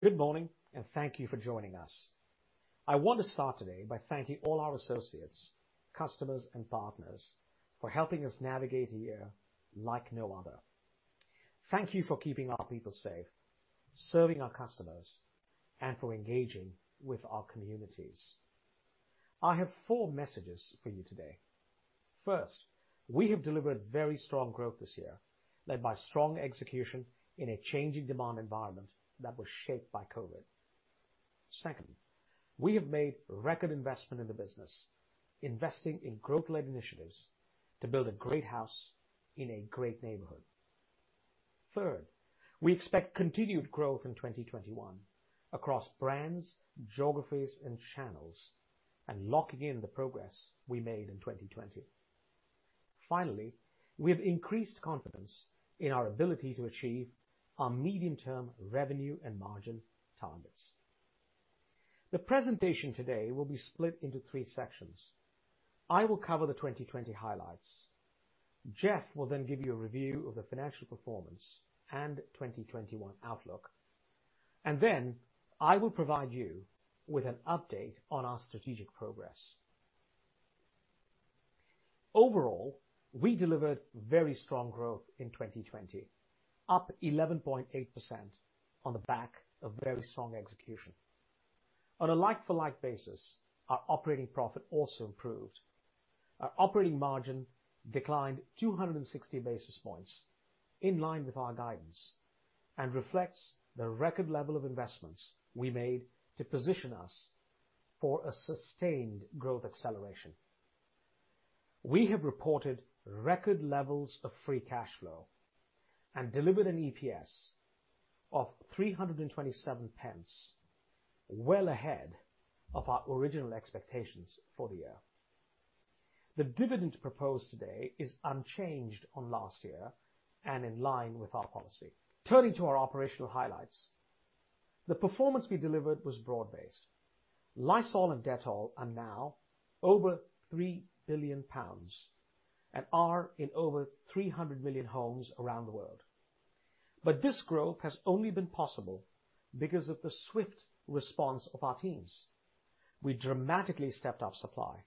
Good morning. Thank you for joining us. I want to start today by thanking all our associates, customers, and partners for helping us navigate a year like no other. Thank you for keeping our people safe, serving our customers, and for engaging with our communities. I have four messages for you today. First, we have delivered very strong growth this year, led by strong execution in a changing demand environment that was shaped by COVID. Second, we have made record investment in the business, investing in growth-led initiatives to build a great house in a great neighborhood. Third, we expect continued growth in 2021 across brands, geographies, and channels, and locking in the progress we made in 2020. Finally, we have increased confidence in our ability to achieve our medium-term revenue and margin targets. The presentation today will be split into three sections. I will cover the 2020 highlights, Jeff will then give you a review of the financial performance and 2021 outlook, and then I will provide you with an update on our strategic progress. Overall, we delivered very strong growth in 2020, up 11.8% on the back of very strong execution. On a like-for-like basis, our operating profit also improved. Our operating margin declined 260 basis points, in line with our guidance, and reflects the record level of investments we made to position us for a sustained growth acceleration. We have reported record levels of free cash flow and delivered an EPS of 3.27, well ahead of our original expectations for the year. The dividend proposed today is unchanged on last year and in line with our policy. Turning to our operational highlights, the performance we delivered was broad-based. Lysol and Dettol are now over 3 billion pounds and are in over 300 million homes around the world. This growth has only been possible because of the swift response of our teams. We dramatically stepped up supply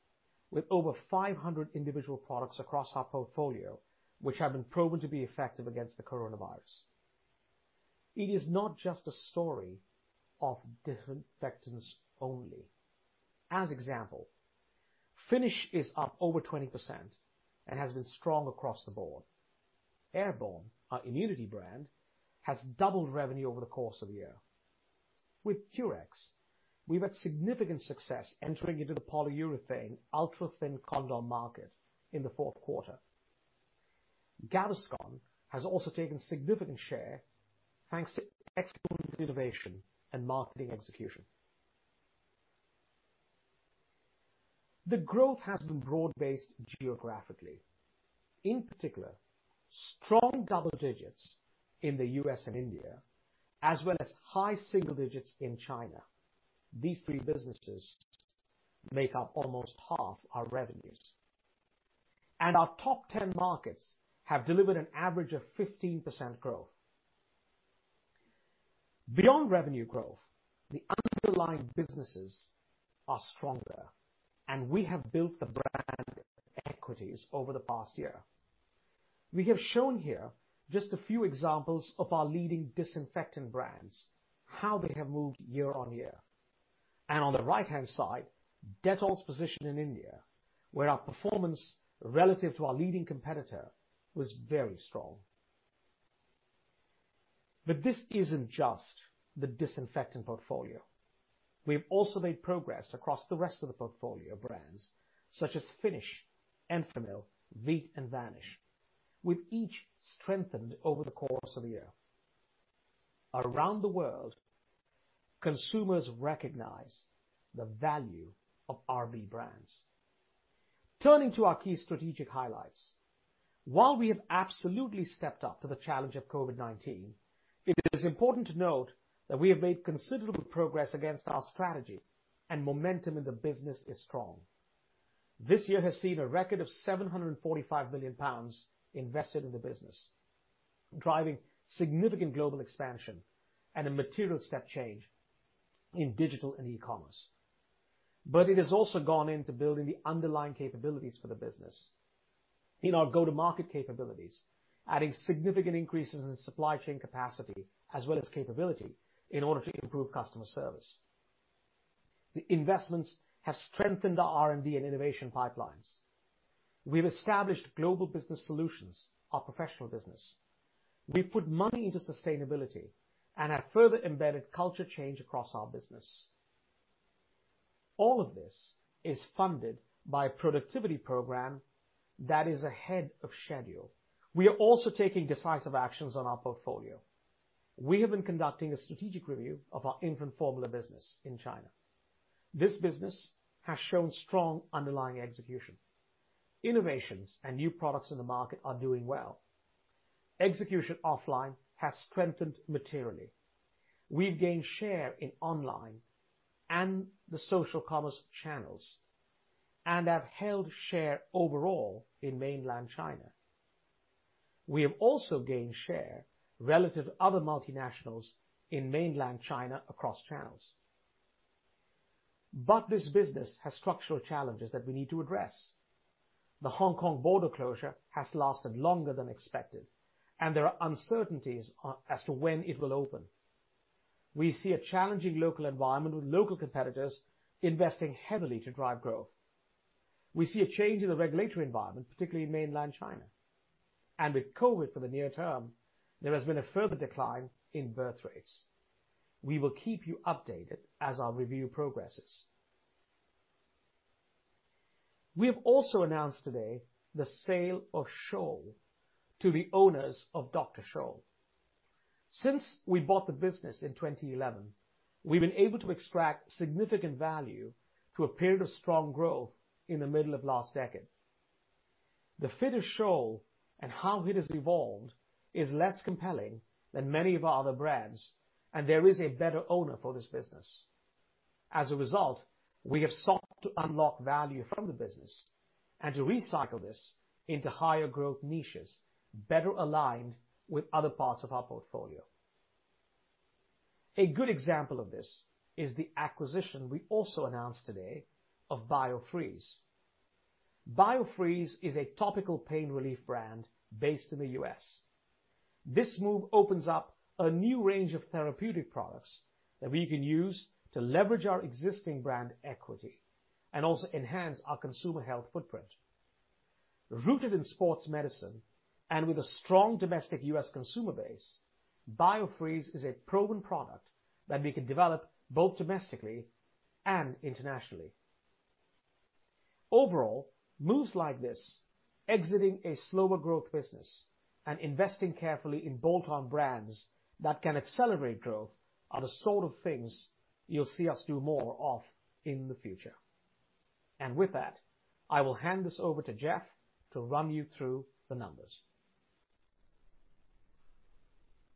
with over 500 individual products across our portfolio, which have been proven to be effective against the coronavirus. It is not just a story of disinfectants only. As example, Finish is up over 20% and has been strong across the board. Airborne, our immunity brand, has doubled revenue over the course of the year. With Durex, we've had significant success entering into the polyurethane ultra-thin condom market in the fourth quarter. Gaviscon has also taken significant share, thanks to excellent innovation and marketing execution. The growth has been broad based geographically, in particular, strong double digits in the U.S. and India, as well as high single digits in China. These three businesses make up almost half our revenues. Our top 10 markets have delivered an average of 15% growth. Beyond revenue growth, the underlying businesses are stronger. We have built the brand equities over the past year. We have shown here just a few examples of our leading disinfectant brands, how they have moved year-over-year. On the right-hand side, Dettol's position in India, where our performance relative to our leading competitor was very strong. This isn't just the disinfectant portfolio. We have also made progress across the rest of the portfolio brands such as Finish, Enfamil, Veet, and Vanish, with each strengthened over the course of the year. Around the world, consumers recognize the value of RB brands. Turning to our key strategic highlights. While we have absolutely stepped up to the challenge of COVID-19, it is important to note that we have made considerable progress against our strategy and momentum in the business is strong. This year has seen a record of 745 million pounds invested in the business, driving significant global expansion and a material step change in digital and e-commerce. It has also gone into building the underlying capabilities for the business. In our go-to-market capabilities, adding significant increases in supply chain capacity as well as capability in order to improve customer service. The investments have strengthened our R&D and innovation pipelines. We've established Global Business Solutions, our professional business. We've put money into sustainability and have further embedded culture change across our business. All of this is funded by a productivity program that is ahead of schedule. We are also taking decisive actions on our portfolio. We have been conducting a strategic review of our infant formula business in China. This business has shown strong underlying execution. Innovations and new products in the market are doing well. Execution offline has strengthened materially. We've gained share in online and the social commerce channels and have held share overall in mainland China. We have also gained share relative to other multinationals in mainland China across channels. But this business has structural challenges that we need to address. The Hong Kong border closure has lasted longer than expected, and there are uncertainties as to when it will open. We see a challenging local environment with local competitors investing heavily to drive growth. We see a change in the regulatory environment, particularly in mainland China. With COVID for the near term, there has been a further decline in birth rates. We will keep you updated as our review progresses. We have also announced today the sale of Scholl to the owners of Dr. Scholl's. Since we bought the business in 2011, we've been able to extract significant value through a period of strong growth in the middle of last decade. The fit of Scholl and how it has evolved is less compelling than many of our other brands, and there is a better owner for this business. As a result, we have sought to unlock value from the business and to recycle this into higher growth niches better aligned with other parts of our portfolio. A good example of this is the acquisition we also announced today of Biofreeze. Biofreeze is a topical pain relief brand based in the U.S. This move opens up a new range of therapeutic products that we can use to leverage our existing brand equity and also enhance our consumer health footprint. Rooted in sports medicine and with a strong domestic US consumer base, Biofreeze is a proven product that we can develop both domestically and internationally. Overall, moves like this, exiting a slower growth business and investing carefully in bolt-on brands that can accelerate growth, are the sort of things you will see us do more of in the future. With that, I will hand this over to Jeff to run you through the numbers.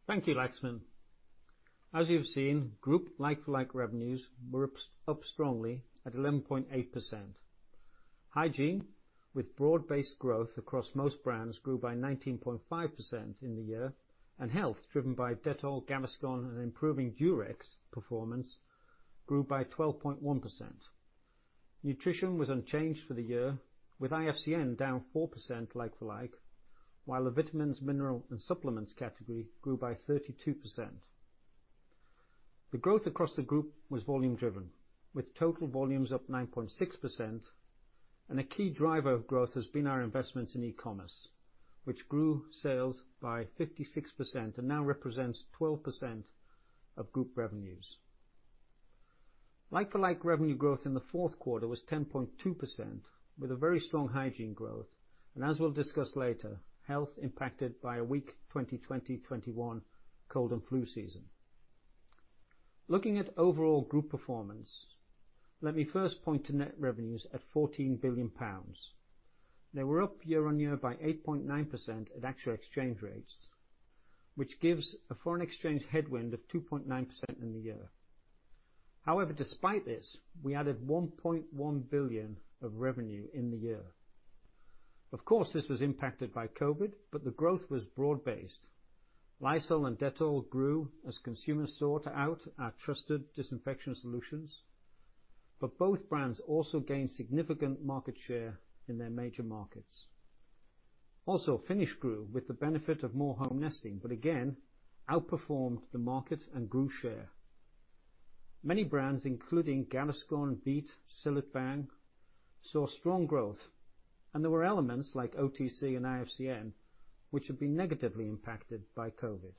Thank you, Laxman. As you've seen, group like-for-like revenues were up strongly at 11.8%. Hygiene, with broad-based growth across most brands, grew by 19.5% in the year. And Health, driven by Dettol, Gaviscon, and improving Durex performance, grew by 12.1%. Nutrition was unchanged for the year, with IFCN down 4% like for like, while the vitamins, mineral, and supplements category grew by 32%. The growth across the group was volume driven, with total volumes up 9.6%. A key driver of growth has been our investments in e-commerce, which grew sales by 56% and now represents 12% of group revenues. Like-for-like revenue growth in the fourth quarter was 10.2%, with a very strong Hygiene growth. As we'll discuss later, Health impacted by a weak 2020/2021 cold and flu season. Looking at overall group performance, let me first point to net revenues at 14 billion pounds. They were up year-on-year by 8.9% at actual exchange rates, which gives a foreign exchange headwind of 2.9% in the year. However despite this, we added 1.1 billion of revenue in the year. Of course, this was impacted by COVID, the growth was broad-based. Lysol and Dettol grew as consumers sought out our trusted disinfection solutions, both brands also gained significant market share in their major markets. Finish grew with the benefit of more home nesting, again, outperformed the market and grew share. Many brands, including Gaviscon, Veet, Cillit Bang, saw strong growth, there were elements like OTC and IFCN, which have been negatively impacted by COVID.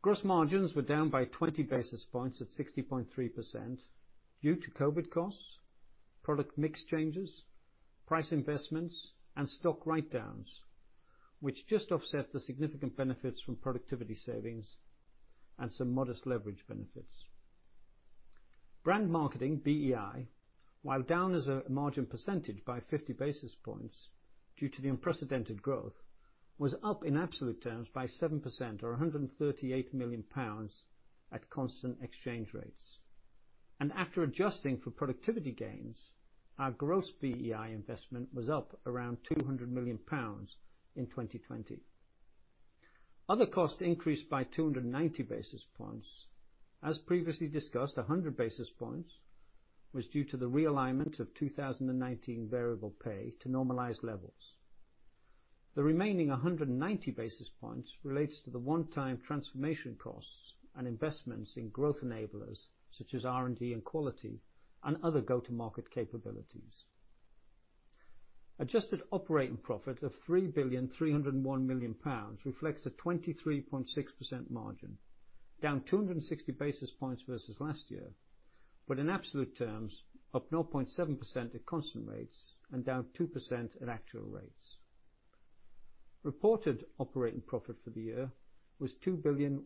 Gross margins were down by 20 basis points at 60.3% due to COVID costs, product mix changes, price investments, and stock write-downs, which just offset the significant benefits from productivity savings and some modest leverage benefits. Brand marketing, BEI, while down as a margin percentage by 50 basis points due to the unprecedented growth, was up in absolute terms by 7% or 138 million pounds at constant exchange rates. After adjusting for productivity gains, our gross BEI investment was up around 200 million pounds in 2020. Other costs increased by 290 basis points. As previously discussed, 100 basis points was due to the realignment of 2019 variable pay to normalized levels. The remaining 190 basis points relates to the one-time transformation costs and investments in growth enablers, such as R&D and Quality, and other go-to-market capabilities. Adjusted operating profit of 3.301 billion reflects a 23.6% margin, down 260 basis points versus last year, but in absolute terms, up 0.7% at constant rates and down 2% at actual rates. Reported operating profit for the year was 2.160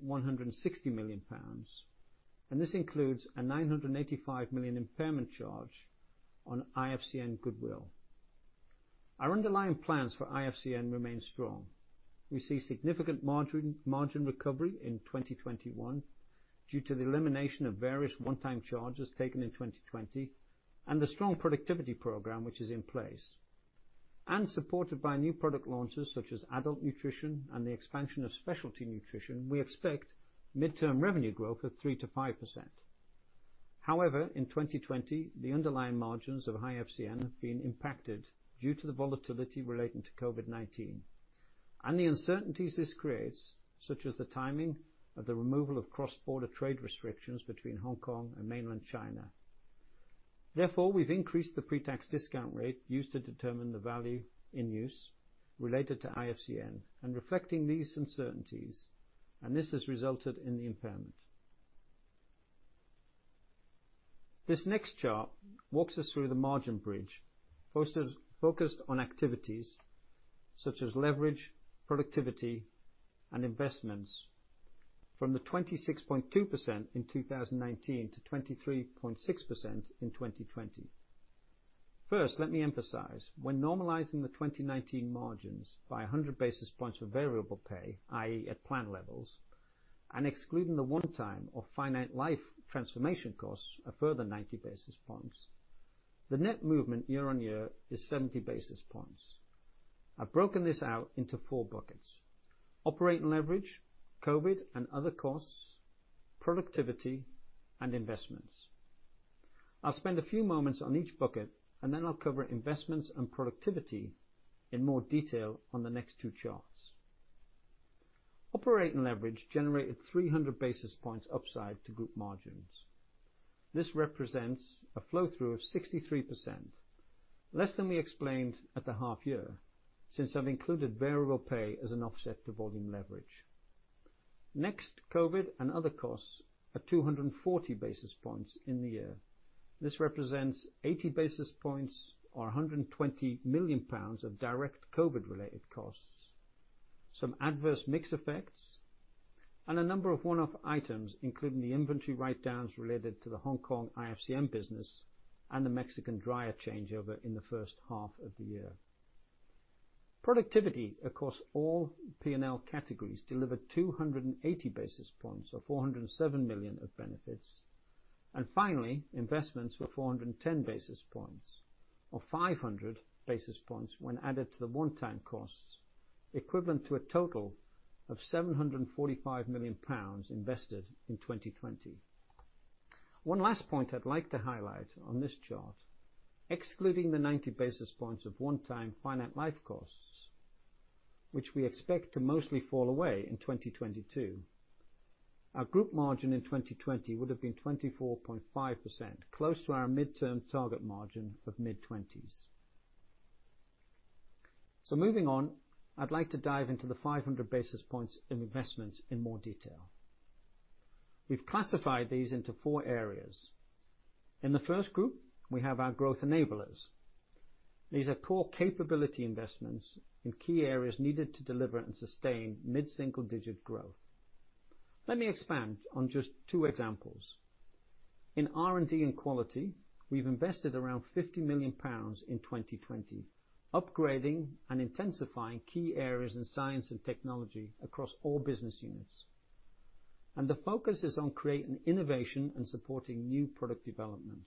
billion, this includes a 985 million impairment charge on IFCN and goodwill. Our underlying plans for IFCN remain strong. We see significant margin recovery in 2021. Due to the elimination of various one-time charges taken in 2020 and the strong productivity program which is in place, and supported by new product launches such as adult nutrition and the expansion of specialty nutrition, we expect midterm revenue growth of 3%-5%. However, in 2020, the underlying margins of IFCN have been impacted due to the volatility relating to COVID-19 and the uncertainties this creates, such as the timing of the removal of cross-border trade restrictions between Hong Kong and mainland China. Therefore, we've increased the pre-tax discount rate used to determine the value in use related to IFCN and reflecting these uncertainties, and this has resulted in the impairment. This next chart walks us through the margin bridge focused on activities such as leverage, productivity, and investments from the 26.2% in 2019 to 23.6% in 2020. First, let me emphasize, when normalizing the 2019 margins by 100 basis points of variable pay, i.e. at plan levels, and excluding the one-time or finite life transformation costs, a further 90 basis points, the net movement year-on-year is 70 basis points. I've broken this out into four buckets: operating leverage, COVID and other costs, productivity, and investments. I'll spend a few moments on each bucket, and then I'll cover investments and productivity in more detail on the next two charts. Operating leverage generated 300 basis points upside to group margins. This represents a flow-through of 63%, less than we explained at the half year, since I've included variable pay as an offset to volume leverage .Next, COVID and other costs are 240 basis points in the year. This represents 80 basis points or 120 million pounds of direct COVID-related costs, some adverse mix effects, and a number of one-off items, including the inventory write-downs related to the Hong Kong IFCN business and the Mexico dryer changeover in the first half of the year. Productivity across all P&L categories delivered 280 basis points or 407 million of benefits. Finally, investments were 410 basis points, or 500 basis points when added to the one-time costs, equivalent to a total of 745 million pounds invested in 2020. One last point I'd like to highlight on this chart, excluding the 90 basis points of one-time finite life costs, which we expect to mostly fall away in 2022, our group margin in 2020 would have been 24.5%, close to our midterm target margin of mid-20s. Moving on, I'd like to dive into the 500 basis points in investments in more detail. We've classified these into four areas. In the first group, we have our growth enablers. These are core capability investments in key areas needed to deliver and sustain mid-single-digit growth. Let me expand on just two examples. In R&D and Quality, we've invested around 50 million pounds in 2020, upgrading and intensifying key areas in science and technology across all business units. The focus is on creating innovation and supporting new product development.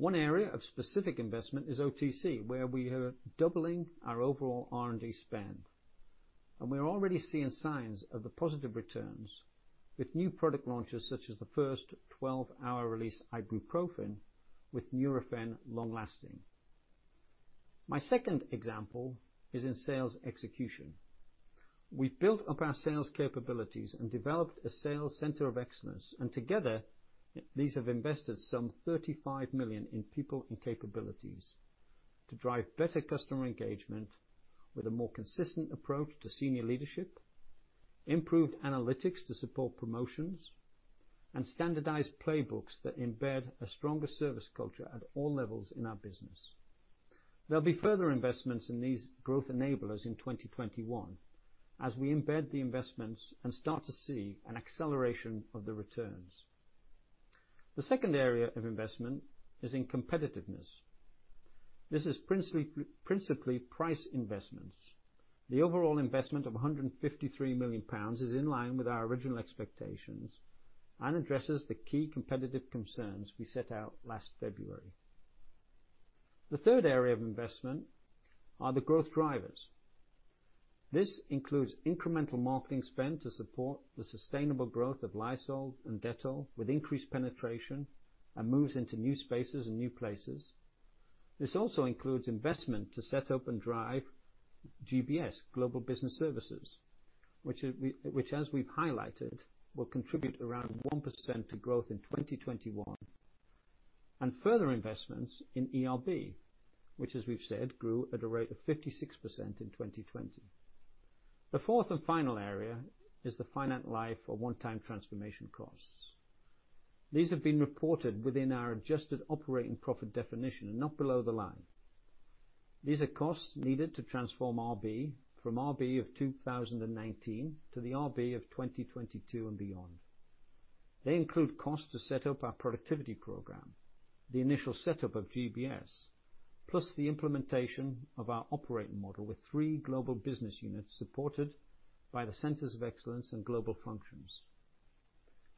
One area of specific investment is OTC, where we are doubling our overall R&D spend. We are already seeing signs of the positive returns with new product launches, such as the first 12-hour release ibuprofen with Nurofen Long Lasting. My second example is in sales execution. We built up our sales capabilities and developed a sales center of excellence, and together, these have invested some 35 million in people and capabilities to drive better customer engagement with a more consistent approach to senior leadership, improved analytics to support promotions, and standardized playbooks that embed a stronger service culture at all levels in our business. There'll be further investments in these growth enablers in 2021 as we embed the investments and start to see an acceleration of the returns. The second area of investment is in competitiveness. This is principally price investments. The overall investment of £153 million is in line with our original expectations and addresses the key competitive concerns we set out last February. The third area of investment are the growth drivers. This includes incremental marketing spend to support the sustainable growth of Lysol and Dettol with increased penetration and moves into new spaces and new places. This also includes investment to set up and drive GBS, Global Business Services, which as we've highlighted, will contribute around 1% to growth in 2021, and further investments in eRB, which as we've said, grew at a rate of 56% in 2020. The fourth and final area is the finite life or one-time transformation costs. These have been reported within our adjusted operating profit definition and not below the line. These are costs needed to transform RB from RB of 2019 to the RB of 2022 and beyond. They include costs to set up our productivity program, the initial setup of GBS plus the implementation of our operating model with three global business units supported by the centers of excellence and global functions.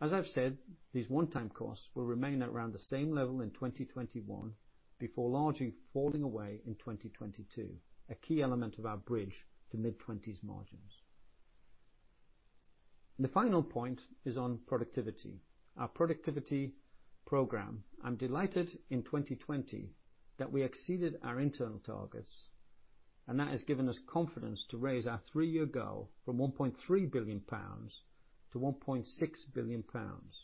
As I've said, these one-time costs will remain around the same level in 2021 before largely falling away in 2022, a key element of our bridge to mid-20s margins. The final point is on productivity. Our productivity program. I'm delighted in 2020 that we exceeded our internal targets, and that has given us confidence to raise our three-year goal from 1.3 billion-1.6 billion pounds.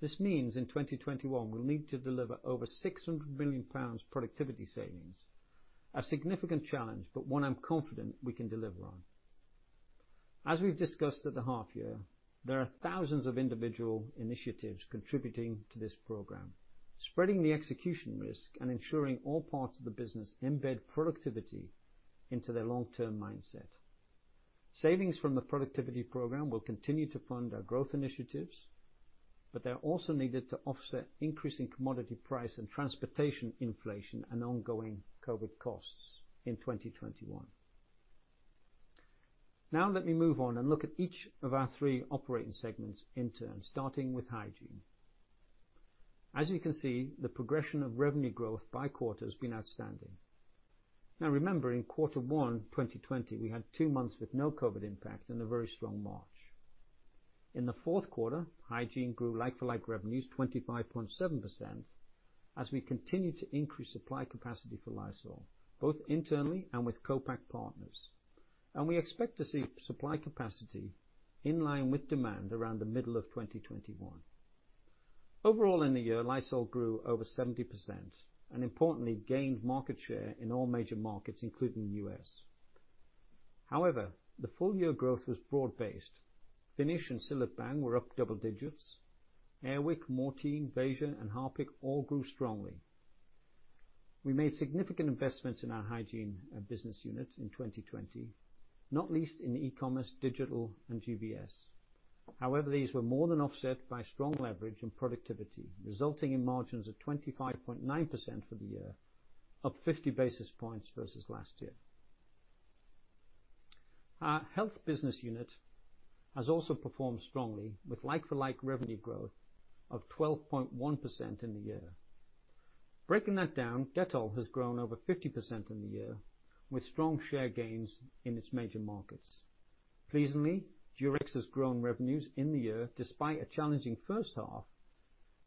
This means in 2021, we'll need to deliver over 600 million pounds productivity savings, a significant challenge, but one I'm confident we can deliver on. As we've discussed at the half year, there are thousands of individual initiatives contributing to this program, spreading the execution risk and ensuring all parts of the business embed productivity into their long-term mindset. Savings from the productivity program will continue to fund our growth initiatives, but they are also needed to offset increasing commodity price and transportation inflation and ongoing COVID costs in 2021. Let me move on and look at each of our three operating segments in turn, starting with Hygiene. As you can see, the progression of revenue growth by quarter has been outstanding. Remember, in quarter one 2020, we had two months with no COVID impact and a very strong March. In the fourth quarter, Hygiene grew like-for-like revenues 25.7% as we continued to increase supply capacity for Lysol, both internally and with co-pack partners. We expect to see supply capacity in line with demand around the middle of 2021. Overall in the year, Lysol grew over 70% and importantly gained market share in all major markets, including the U.S. However, the full year growth was broad-based. Finish and Cillit Bang were up double digits. Air Wick, Mortein, Vanish, and Harpic all grew strongly. We made significant investments in our Hygiene business unit in 2020, not least in e-commerce, digital, and GBS. These were more than offset by strong leverage and productivity, resulting in margins of 25.9% for the year, up 50 basis points versus last year. Our Health business unit has also performed strongly with like-for-like revenue growth of 12.1% in the year. Breaking that down, Dettol has grown over 50% in the year with strong share gains in its major markets. Pleasingly, Durex has grown revenues in the year despite a challenging first half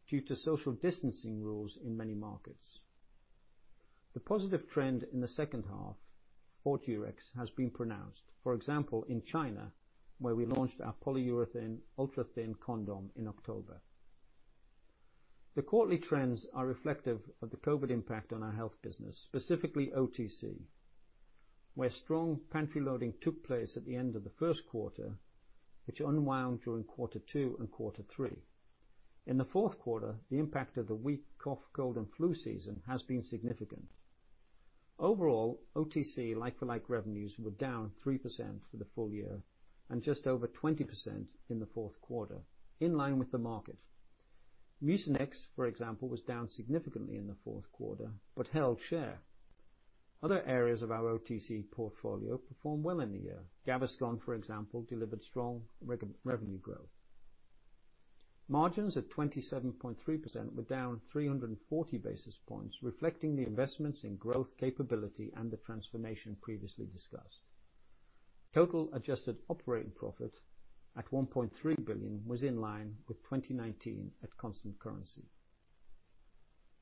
due to social distancing rules in many markets. The positive trend in the second half for Durex has been pronounced, for example, in China, where we launched our polyurethane ultra-thin condom in October. The quarterly trends are reflective of the COVID impact on our Health business, specifically OTC, where strong pantry loading took place at the end of the first quarter, which unwound during quarter two and quarter three. In the fourth quarter, the impact of the weak cough, cold, and flu season has been significant. Overall, OTC like-for-like revenues were down 3% for the full year and just over 20% in the fourth quarter, in line with the market. Mucinex, for example, was down significantly in the fourth quarter, but held share. Other areas of our OTC portfolio performed well in the year. Gaviscon, for example, delivered strong revenue growth. Margins at 27.3% were down 340 basis points, reflecting the investments in growth capability and the transformation previously discussed. Total adjusted operating profit at 1.3 billion, was in line with 2019 at constant currency.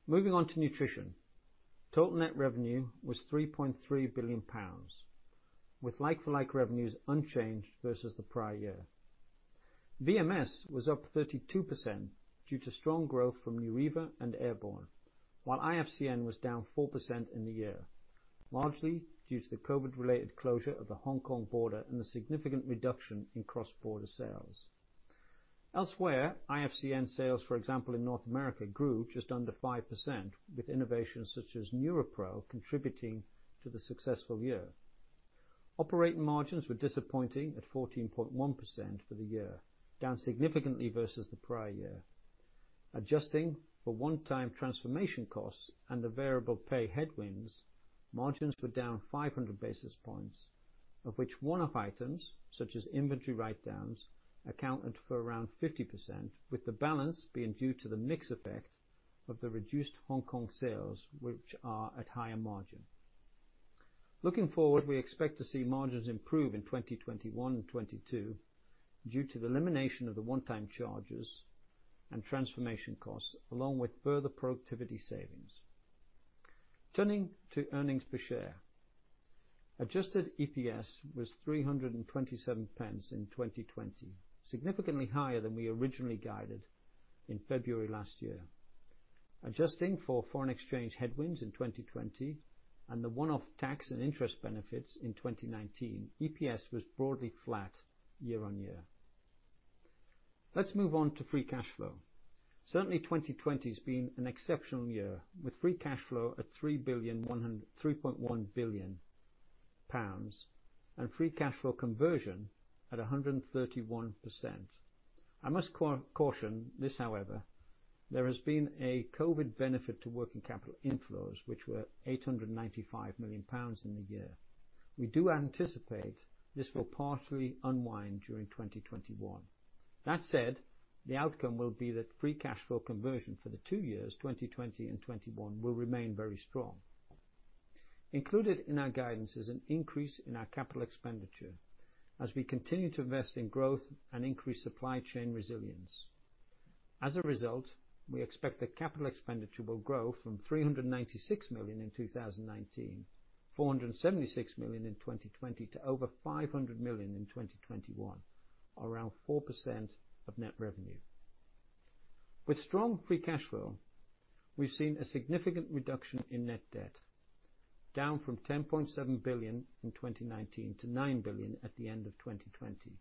Moving on to nutrition. Total net revenue was 3.3 billion pounds, with like-for-like revenues unchanged versus the prior year. VMS was up 32% due to strong growth from Neuriva and Airborne, while IFCN was down 4% in the year, largely due to the COVID-related closure of the Hong Kong border and the significant reduction in cross-border sales. Elsewhere, IFCN sales, for example, in North America, grew just under 5%, with innovations such as NeuroPro contributing to the successful year. Operating margins were disappointing at 14.1% for the year, down significantly versus the prior year. Adjusting for one-time transformation costs and the variable pay headwinds, margins were down 500 basis points, of which one-off items such as inventory write-downs accounted for around 50%, with the balance being due to the mix effect of the reduced Hong Kong sales, which are at higher margin. Looking forward, we expect to see margins improve in 2021 and 2022 due to the elimination of the one-time charges and transformation costs, along with further productivity savings. Turning to earnings per share. Adjusted EPS was 3.27 in 2020, significantly higher than we originally guided in February last year. Adjusting for foreign exchange headwinds in 2020 and the one-off tax and interest benefits in 2019, EPS was broadly flat year-over-year. Let's move on to free cash flow. Certainly, 2020 has been an exceptional year, with free cash flow at 3.1 billion pounds and free cash flow conversion at 131%. I must caution this, however, there has been a COVID benefit to working capital inflows, which were 895 million pounds in the year. We do anticipate this will partially unwind during 2021. That said the outcome will be that free cash flow conversion for the two years 2020 and 2021 will remain very strong. Included in our guidance is an increase in our capital expenditure as we continue to invest in growth and increase supply chain resilience. As a result we expect that capital expenditure will grow from 396 million in 2019, 476 million in 2020 to over 500 million in 2021, around 4% of net revenue. With strong free cash flow, we've seen a significant reduction in net debt, down from 10.7 billion in 2019-GBP 9 billion at the end of 2020.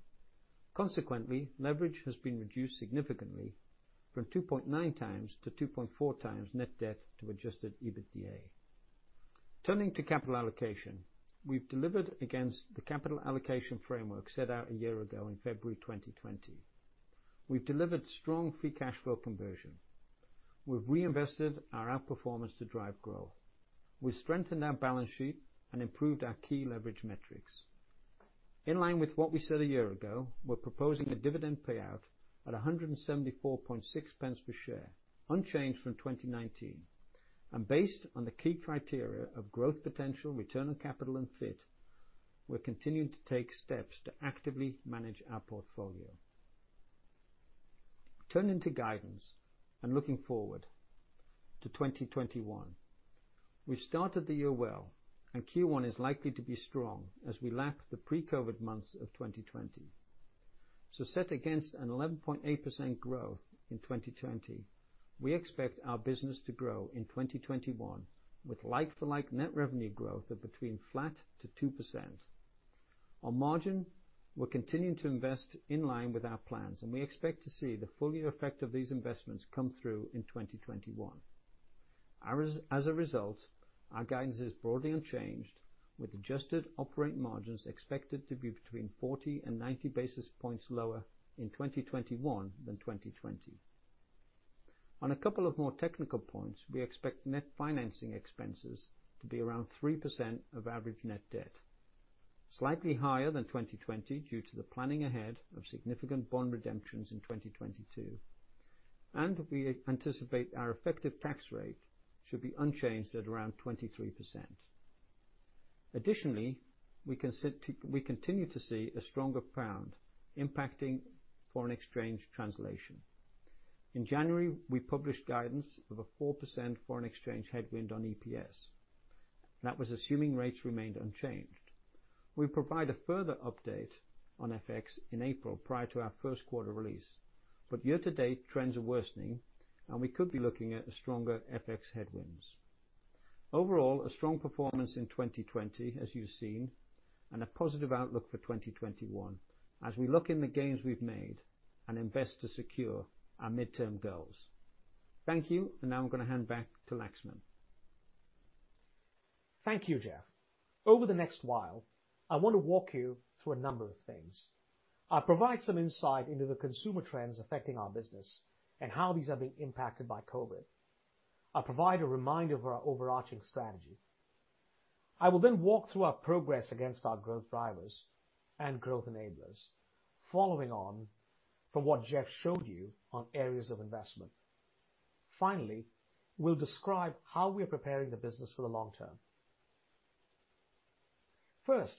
Leverage has been reduced significantly from 2.9x to 2.4x net debt to Adjusted EBITDA. Turning to capital allocation, we've delivered against the capital allocation framework set out a year ago in February 2020. We've delivered strong free cash flow conversion. We've reinvested our outperformance to drive growth. We strengthened our balance sheet and improved our key leverage metrics. In line with what we said a year ago, we're proposing a dividend payout at 1.746 per share, unchanged from 2019. Based on the key criteria of growth potential, return on capital, and fit, we're continuing to take steps to actively manage our portfolio. Turning to guidance and looking forward to 2021, we started the year well, and Q1 is likely to be strong as we lap the pre-COVID months of 2020. Set against an 11.8% growth in 2020, we expect our business to grow in 2021 with like-for-like net revenue growth of between flat to 2%. On margin, we're continuing to invest in line with our plans, and we expect to see the full year effect of these investments come through in 2021. As a result, our guidance is broadly unchanged, with adjusted operating margins expected to be between 40 and 90 basis points lower in 2021 than 2020. On a couple of more technical points, we expect net financing expenses to be around 3% of average net debt, slightly higher than 2020 due to the planning ahead of significant bond redemptions in 2022. We anticipate our effective tax rate should be unchanged at around 23%. Additionally, we continue to see a stronger pound impacting foreign exchange translation. In January, we published guidance of a 4% foreign exchange headwind on EPS. That was assuming rates remained unchanged. We provide a further update on FX in April prior to our first quarter release. Year to date, trends are worsening, and we could be looking at stronger FX headwinds. Overall, a strong performance in 2020, as you've seen, and a positive outlook for 2021 as we lock in the gains we've made and invest to secure our midterm goals. Thank you. Now I'm going to hand back to Laxman. Thank you, Jeff. Over the next while, I want to walk you through a number of things. I will provide some insight into the consumer trends affecting our business and how these are being impacted by COVID. I will provide a reminder of our overarching strategy. I will walk through our progress against our growth drivers and growth enablers, following on from what Jeff showed you on areas of investment. Finally, we will describe how we are preparing the business for the long term. First,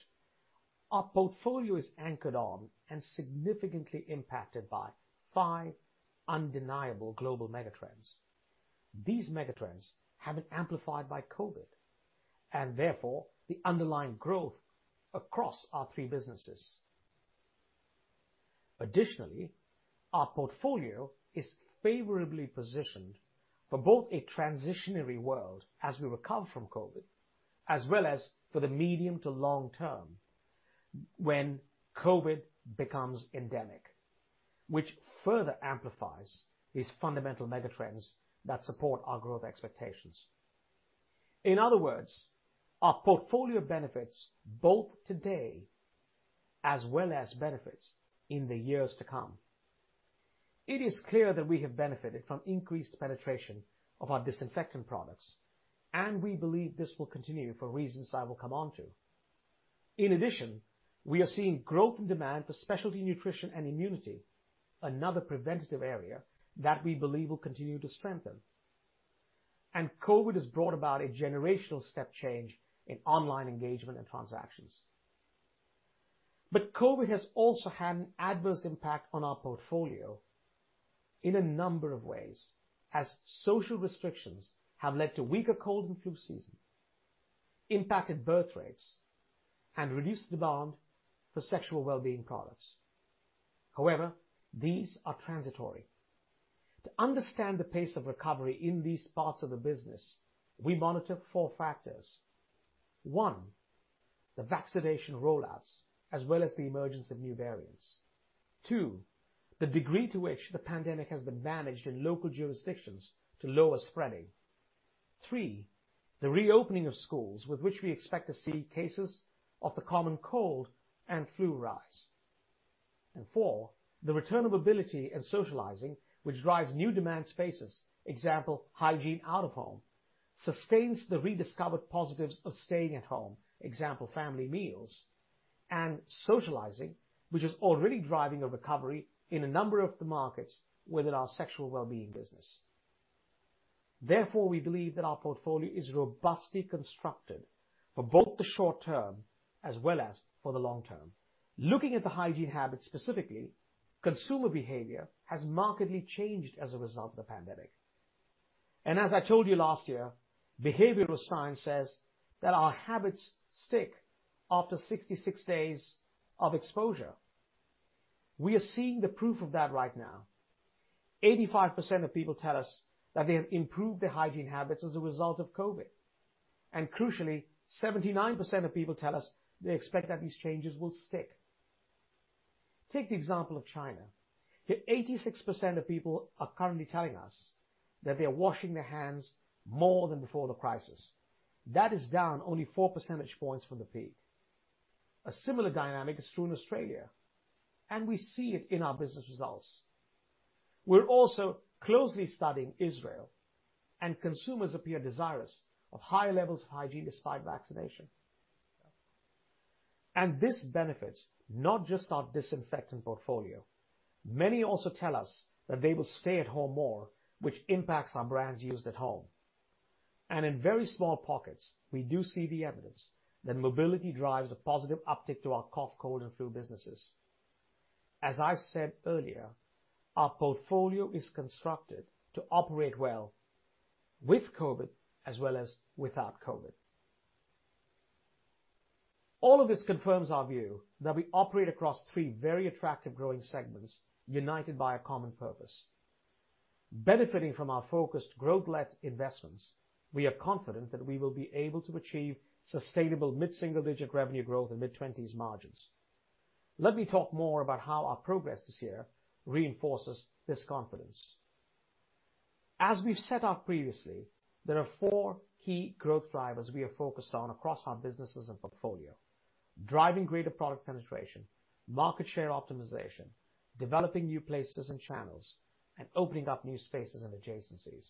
our portfolio is anchored on and significantly impacted by five undeniable global megatrends. These megatrends have been amplified by COVID and therefore the underlying growth across our three businesses. Additionally, our portfolio is favorably positioned for both a transitionary world as we recover from COVID, as well as for the medium to long term when COVID becomes endemic, which further amplifies these fundamental megatrends that support our growth expectations. In other words, our portfolio benefits both today as well as benefits in the years to come. It is clear that we have benefited from increased penetration of our disinfectant products, we believe this will continue for reasons I will come on to. In addition, we are seeing growth in demand for specialty nutrition and immunity, another preventative area that we believe will continue to strengthen. And COVID has brought about a generational step change in online engagement and transactions. But COVID has also had an adverse impact on our portfolio in a number of ways as social restrictions have led to weaker cold and flu season, impacted birth rates, and reduced demand for Sexual Wellbeing products. However, these are transitory. To understand the pace of recovery in these parts of the business, we monitor four factors. One, the vaccination rollouts, as well as the emergence of new variants. Two, the degree to which the pandemic has been managed in local jurisdictions to lower spreading. Three, the reopening of schools with which we expect to see cases of the common cold and flu rise. And four, the return of mobility and socializing, which drives new demand spaces, example, hygiene out of home, sustains the rediscovered positives of staying at home, example, family meals, and socializing, which is already driving a recovery in a number of the markets within our Sexual Wellbeing business. Therefore, we believe that our portfolio is robustly constructed for both the short term as well as for the long term. Looking at the hygiene habits specifically, consumer behavior has markedly changed as a result of the pandemic. As I told you last year, behavioral science says that our habits stick after 66 days of exposure. We are seeing the proof of that right now. 85% of people tell us that they have improved their hygiene habits as a result of COVID. Crucially, 79% of people tell us they expect that these changes will stick. Take the example of China. 86% of people are currently telling us that they are washing their hands more than before the crisis. That is down only four percentage points from the peak. A similar dynamic is true in Australia, and we see it in our business results. We're also closely studying Israel, and consumers appear desirous of higher levels of hygiene despite vaccination. This benefits not just our disinfectant portfolio. Many also tell us that they will stay at home more, which impacts our brands used at home. In very small pockets, we do see the evidence that mobility drives a positive uptick to our cough, cold, and flu businesses. As I said earlier, our portfolio is constructed to operate well with COVID as well as without COVID. All of this confirms our view that we operate across three very attractive growing segments united by a common purpose. Benefiting from our focused growth-led investments, we are confident that we will be able to achieve sustainable mid-single-digit revenue growth and mid-20s margins. Let me talk more about how our progress this year reinforces this confidence. As we've set out previously, there are four key growth drivers we are focused on across our businesses and portfolio: driving greater product penetration, market share optimization, developing new places and channels, and opening up new spaces and adjacencies.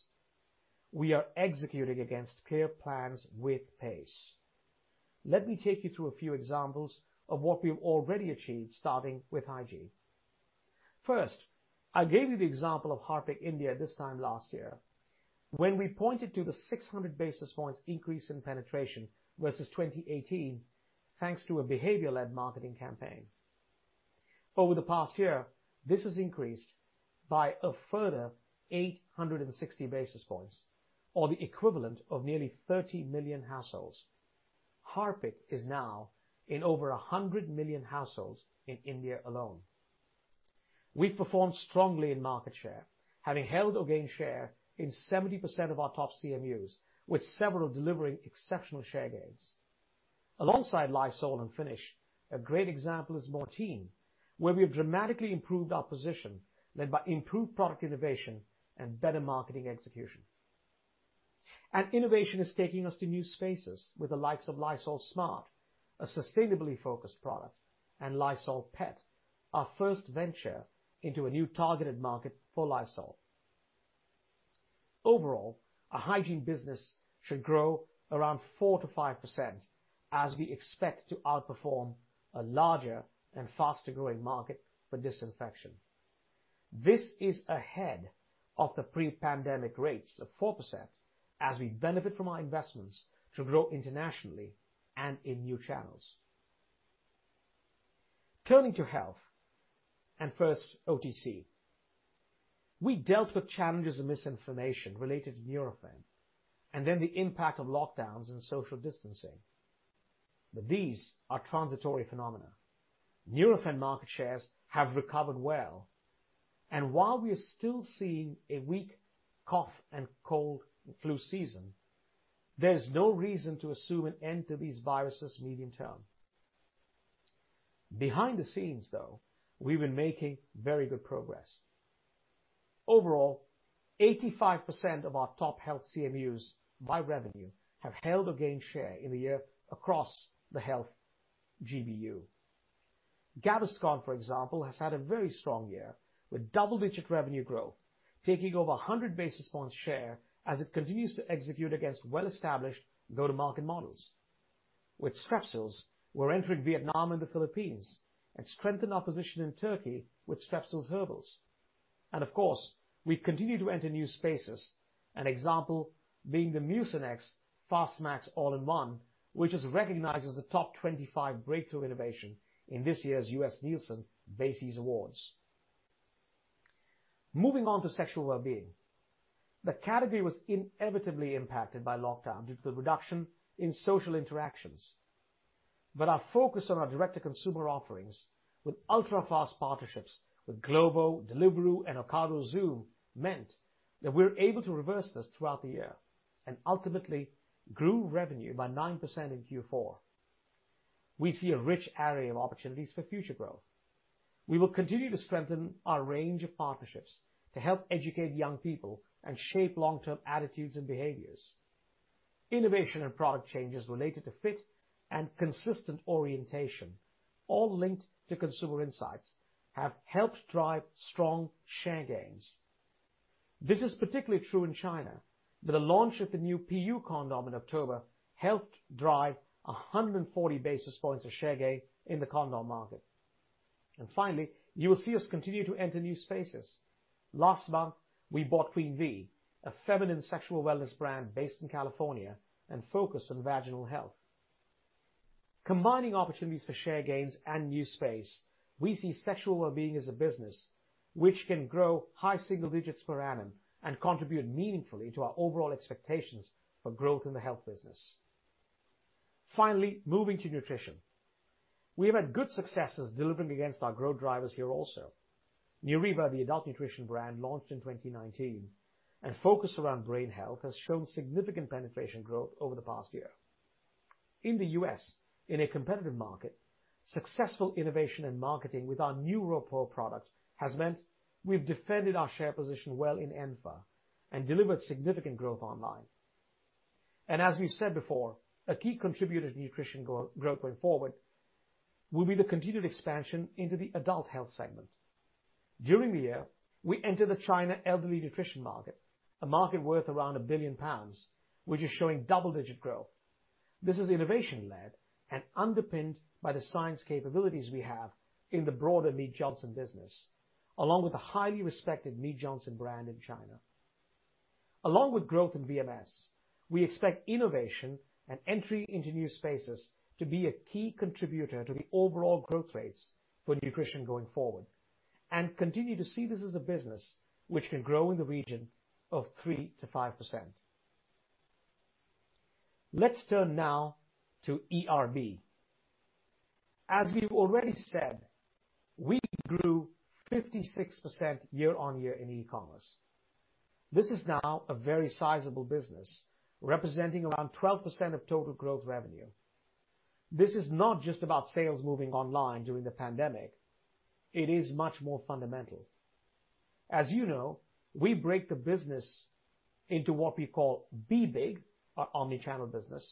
We are executing against clear plans with pace. Let me take you through a few examples of what we've already achieved, starting with Hygiene. First, I gave you the example of Harpic India this time last year when we pointed to the 600 basis points increase in penetration versus 2018, thanks to a behavior-led marketing campaign. Over the past year, this has increased by a further 860 basis points, or the equivalent of nearly 30 million households. Harpic is now in over 100 million households in India alone. We've performed strongly in market share, having held or gained share in 70% of our top CMUs, with several delivering exceptional share gains. Alongside Lysol and Finish, a great example is Mortein, where we have dramatically improved our position led by improved product innovation and better marketing execution. Innovation is taking us to new spaces with the likes of Lysol SMART, a sustainably focused product, and Lysol Pet, our first venture into a new targeted market for Lysol. Overall, our Hygiene business should grow around 4%-5% as we expect to outperform a larger and faster-growing market for disinfection. This is ahead of the pre-pandemic rates of 4% as we benefit from our investments to grow internationally and in new channels. Turning to Health, and first OTC. We dealt with challenges of misinformation related to Nurofen, then the impact of lockdowns and social distancing. These are transitory phenomena. Nurofen market shares have recovered well, while we are still seeing a weak cough and cold flu season, there's no reason to assume an end to these viruses medium-term. Behind the scenes, though, we've been making very good progress. Overall, 85% of our top Health CMUs by revenue have held or gained share in the year across the Health GBU. Gaviscon, for example, has had a very strong year with double-digit revenue growth, taking over 100 basis points share as it continues to execute against well-established go-to-market models. With Strepsils, we are entering Vietnam and the Philippines and strengthen our position in Turkey with Strepsils Herbal. We continue to enter new spaces, an example being the Mucinex Fast-Max All-In-One, which is recognized as a top 25 breakthrough innovation in this year's US Nielsen BASES Awards. Moving on to Sexual Wellbeing. The category was inevitably impacted by lockdown due to the reduction in social interactions. Our focus on our direct-to-consumer offerings with ultra-fast partnerships with Glovo, Deliveroo, and Ocado Zoom meant that we were able to reverse this throughout the year. Ultimately grew revenue by 9% in Q4. We see a rich array of opportunities for future growth. We will continue to strengthen our range of partnerships to help educate young people and shape long-term attitudes and behaviors. Innovation and product changes related to fit and consistent orientation, all linked to consumer insights, have helped drive strong share gains. This is particularly true in China, where the launch of the new PU condom in October helped drive 140 basis points of share gain in the condom market. Finally, you will see us continue to enter new spaces. Last month, we bought Queen V, a feminine sexual wellness brand based in California and focused on vaginal health. Combining opportunities for share gains and new space, we see Sexual Wellbeing as a business which can grow high single digits per annum and contribute meaningfully to our overall expectations for growth in the Health business. Finally, moving to Nutrition.We have had good successes delivering against our growth drivers here also. Neuriva, the adult nutrition brand launched in 2019, and focused around brain health, has shown significant penetration growth over the past year. In the U.S., in a competitive market, successful innovation and marketing with our new NeuroPro product has meant we've defended our share position well in Enfamil and delivered significant growth online. As we've said before, a key contributor to nutrition growth going forward will be the continued expansion into the adult health segment. During the year, we entered the China elderly nutrition market, a market worth around 1 billion pounds, which is showing double-digit growth. This is innovation-led and underpinned by the science capabilities we have in the broader Mead Johnson business, along with the highly respected Mead Johnson brand in China. Along with growth in VMS, we expect innovation and entry into new spaces to be a key contributor to the overall growth rates for nutrition going forward, and continue to see this as a business which can grow in the region of 3%-5%. Let's turn now to eRB. As we've already said, we grew 56% year-on-year in e-commerce. This is now a very sizable business representing around 12% of total growth revenue. This is not just about sales moving online during the pandemic, it is much more fundamental. As you know, we break the business into what we call Be Big, our omni-channel business,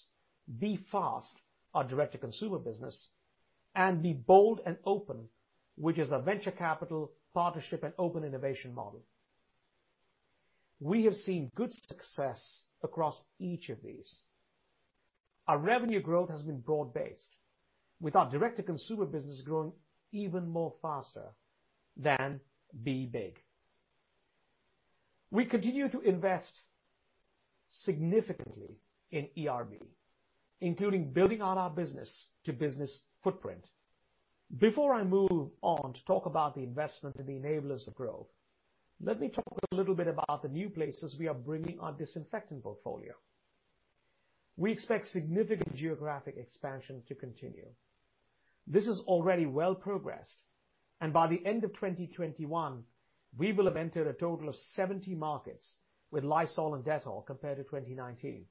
Be Fast, our direct-to-consumer business, and Be Bold and Open, which is our venture capital partnership and open innovation model. We have seen good success across each of these. Our revenue growth has been broad-based, with our direct-to-consumer business growing even more faster than Be Big. We continue to invest significantly in eRB, including building out our business-to-business footprint. Before I move on to talk about the investment and the enablers of growth, let me talk a little bit about the new places we are bringing our disinfectant portfolio. We expect significant geographic expansion to continue. This is already well progressed, and by the end of 2021, we will have entered a total of 70 markets with Lysol and Dettol compared to 2019.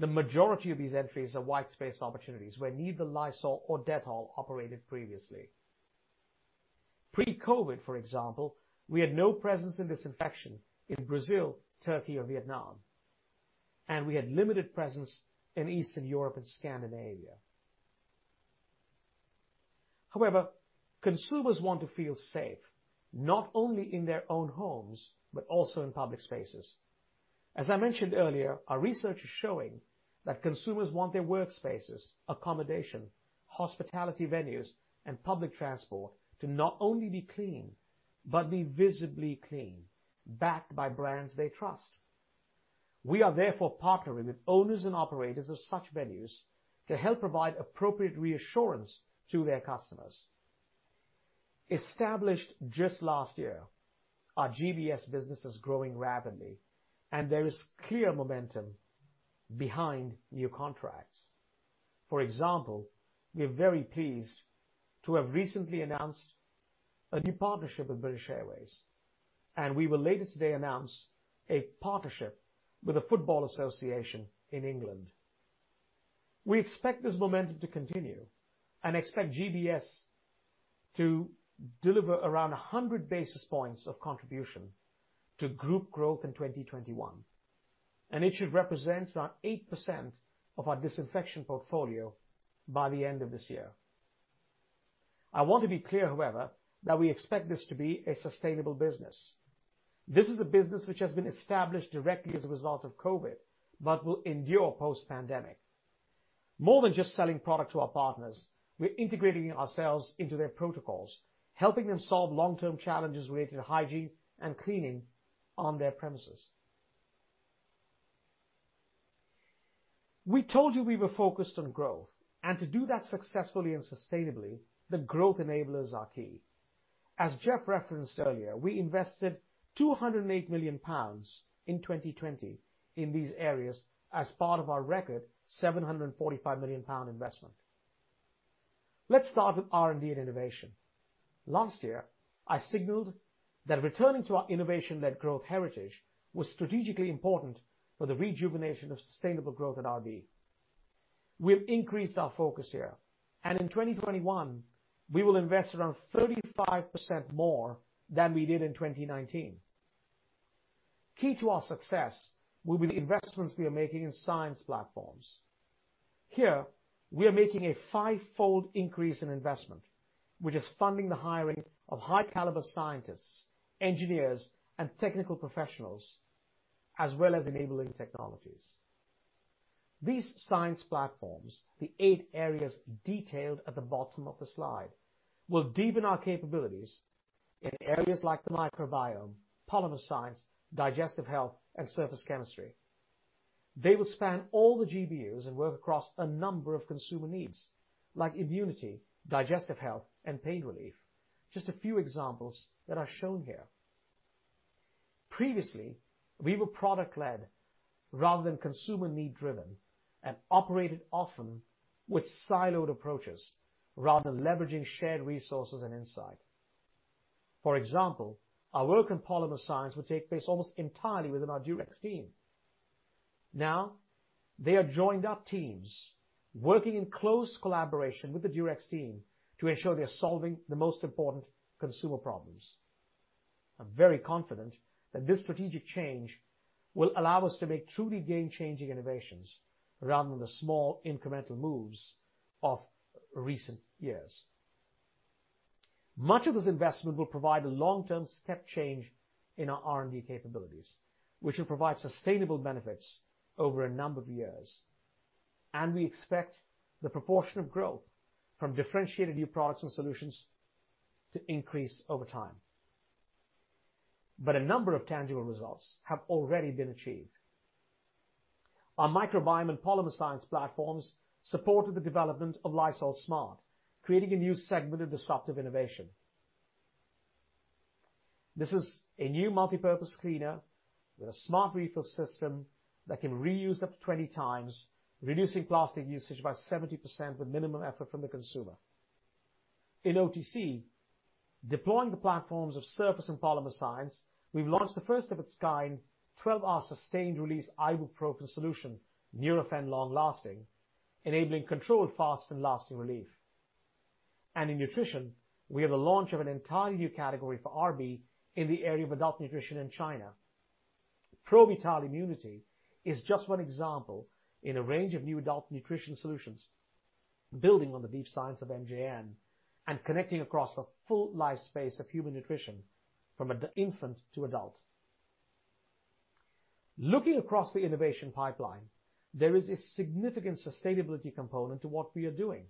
The majority of these entries are white-space opportunities where neither Lysol or Dettol operated previously. Pre-COVID, for example, we had no presence in disinfection in Brazil, Turkey, or Vietnam, and we had limited presence in Eastern Europe and Scandinavia. However, consumers want to feel safe not only in their own homes, but also in public spaces. As I mentioned earlier, our research is showing that consumers want their workspaces, accommodation, hospitality venues, and public transport to not only be clean, but be visibly clean, backed by brands they trust. We are therefore partnering with owners and operators of such venues to help provide appropriate reassurance to their customers. Established just last year, our GBS business is growing rapidly and there is clear momentum behind new contracts. For example, we are very pleased to have recently announced a new partnership with British Airways, and we will later today announce a partnership with The Football Association in England. We expect this momentum to continue and expect GBS to deliver around 100 basis points of contribution to group growth in 2021, and it should represent around 8% of our disinfection portfolio by the end of this year. I want to be clear, however, that we expect this to be a sustainable business. This is a business which has been established directly as a result of COVID, but will endure post-pandemic. More than just selling product to our partners, we're integrating ourselves into their protocols, helping them solve long-term challenges related to Hygiene and cleaning on their premises. We told you we were focused on growth. To do that successfully and sustainably, the growth enablers are key. As Jeff referenced earlier, we invested 208 million pounds in 2020 in these areas as part of our record 745 million pound investment. Let's start with R&D and innovation. Last year, I signaled that returning to our innovation-led growth heritage was strategically important for the rejuvenation of sustainable growth at RB. We've increased our focus here, and in 2021, we will invest around 35% more than we did in 2019. Key to our success will be the investments we are making in science platforms. Here, we are making a fivefold increase in investment, which is funding the hiring of high caliber scientists, engineers, and technical professionals, as well as enabling technologies. These science platforms, the eight areas detailed at the bottom of the slide, will deepen our capabilities in areas like the microbiome, polymer science, digestive health, and surface chemistry. They will span all the GBUs and work across a number of consumer needs, like immunity, digestive health, and pain relief. Just a few examples that are shown here. Previously, we were product-led rather than consumer need driven and operated often with siloed approaches rather than leveraging shared resources and insight. For example, our work in polymer science would take place almost entirely within our Durex team. Now, they are joined up teams working in close collaboration with the Durex team to ensure they are solving the most important consumer problems. I'm very confident that this strategic change will allow us to make truly game-changing innovations rather than the small incremental moves of recent years. Much of this investment will provide a long-term step change in our R&D capabilities, which will provide sustainable benefits over a number of years. And we expect the proportion of growth from differentiated new products and solutions to increase over time. A number of tangible results have already been achieved. Our microbiome and polymer science platforms supported the development of Lysol SMART, creating a new segment of disruptive innovation. This is a new multipurpose cleaner with a smart refill system that can be reused up to 20x, reducing plastic usage by 70% with minimum effort from the consumer. In OTC, deploying the platforms of surface and polymer science, we've launched the first of its kind 12-hour sustained release ibuprofen solution, Nurofen Long Lasting, enabling controlled, fast, and lasting relief. In nutrition, we have the launch of an entirely new category for RB in the area of adult nutrition in China. Provital Immunity is just one example in a range of new adult nutrition solutions, building on the deep science of MJN and connecting across the full life space of human nutrition from infant to adult. Looking across the innovation pipeline, there is a significant sustainability component to what we are doing.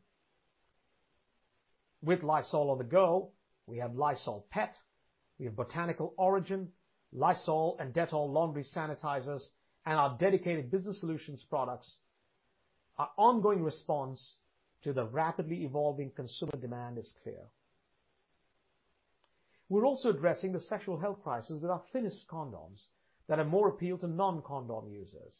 With Lysol To Go, we have Lysol Pet, we have Botanical Origin Lysol and Dettol laundry sanitizers, and our dedicated business solutions products. Our ongoing response to the rapidly evolving consumer demand is clear. We're also addressing the sexual health crisis with our thinnest condoms that are more appeal to non-condom users.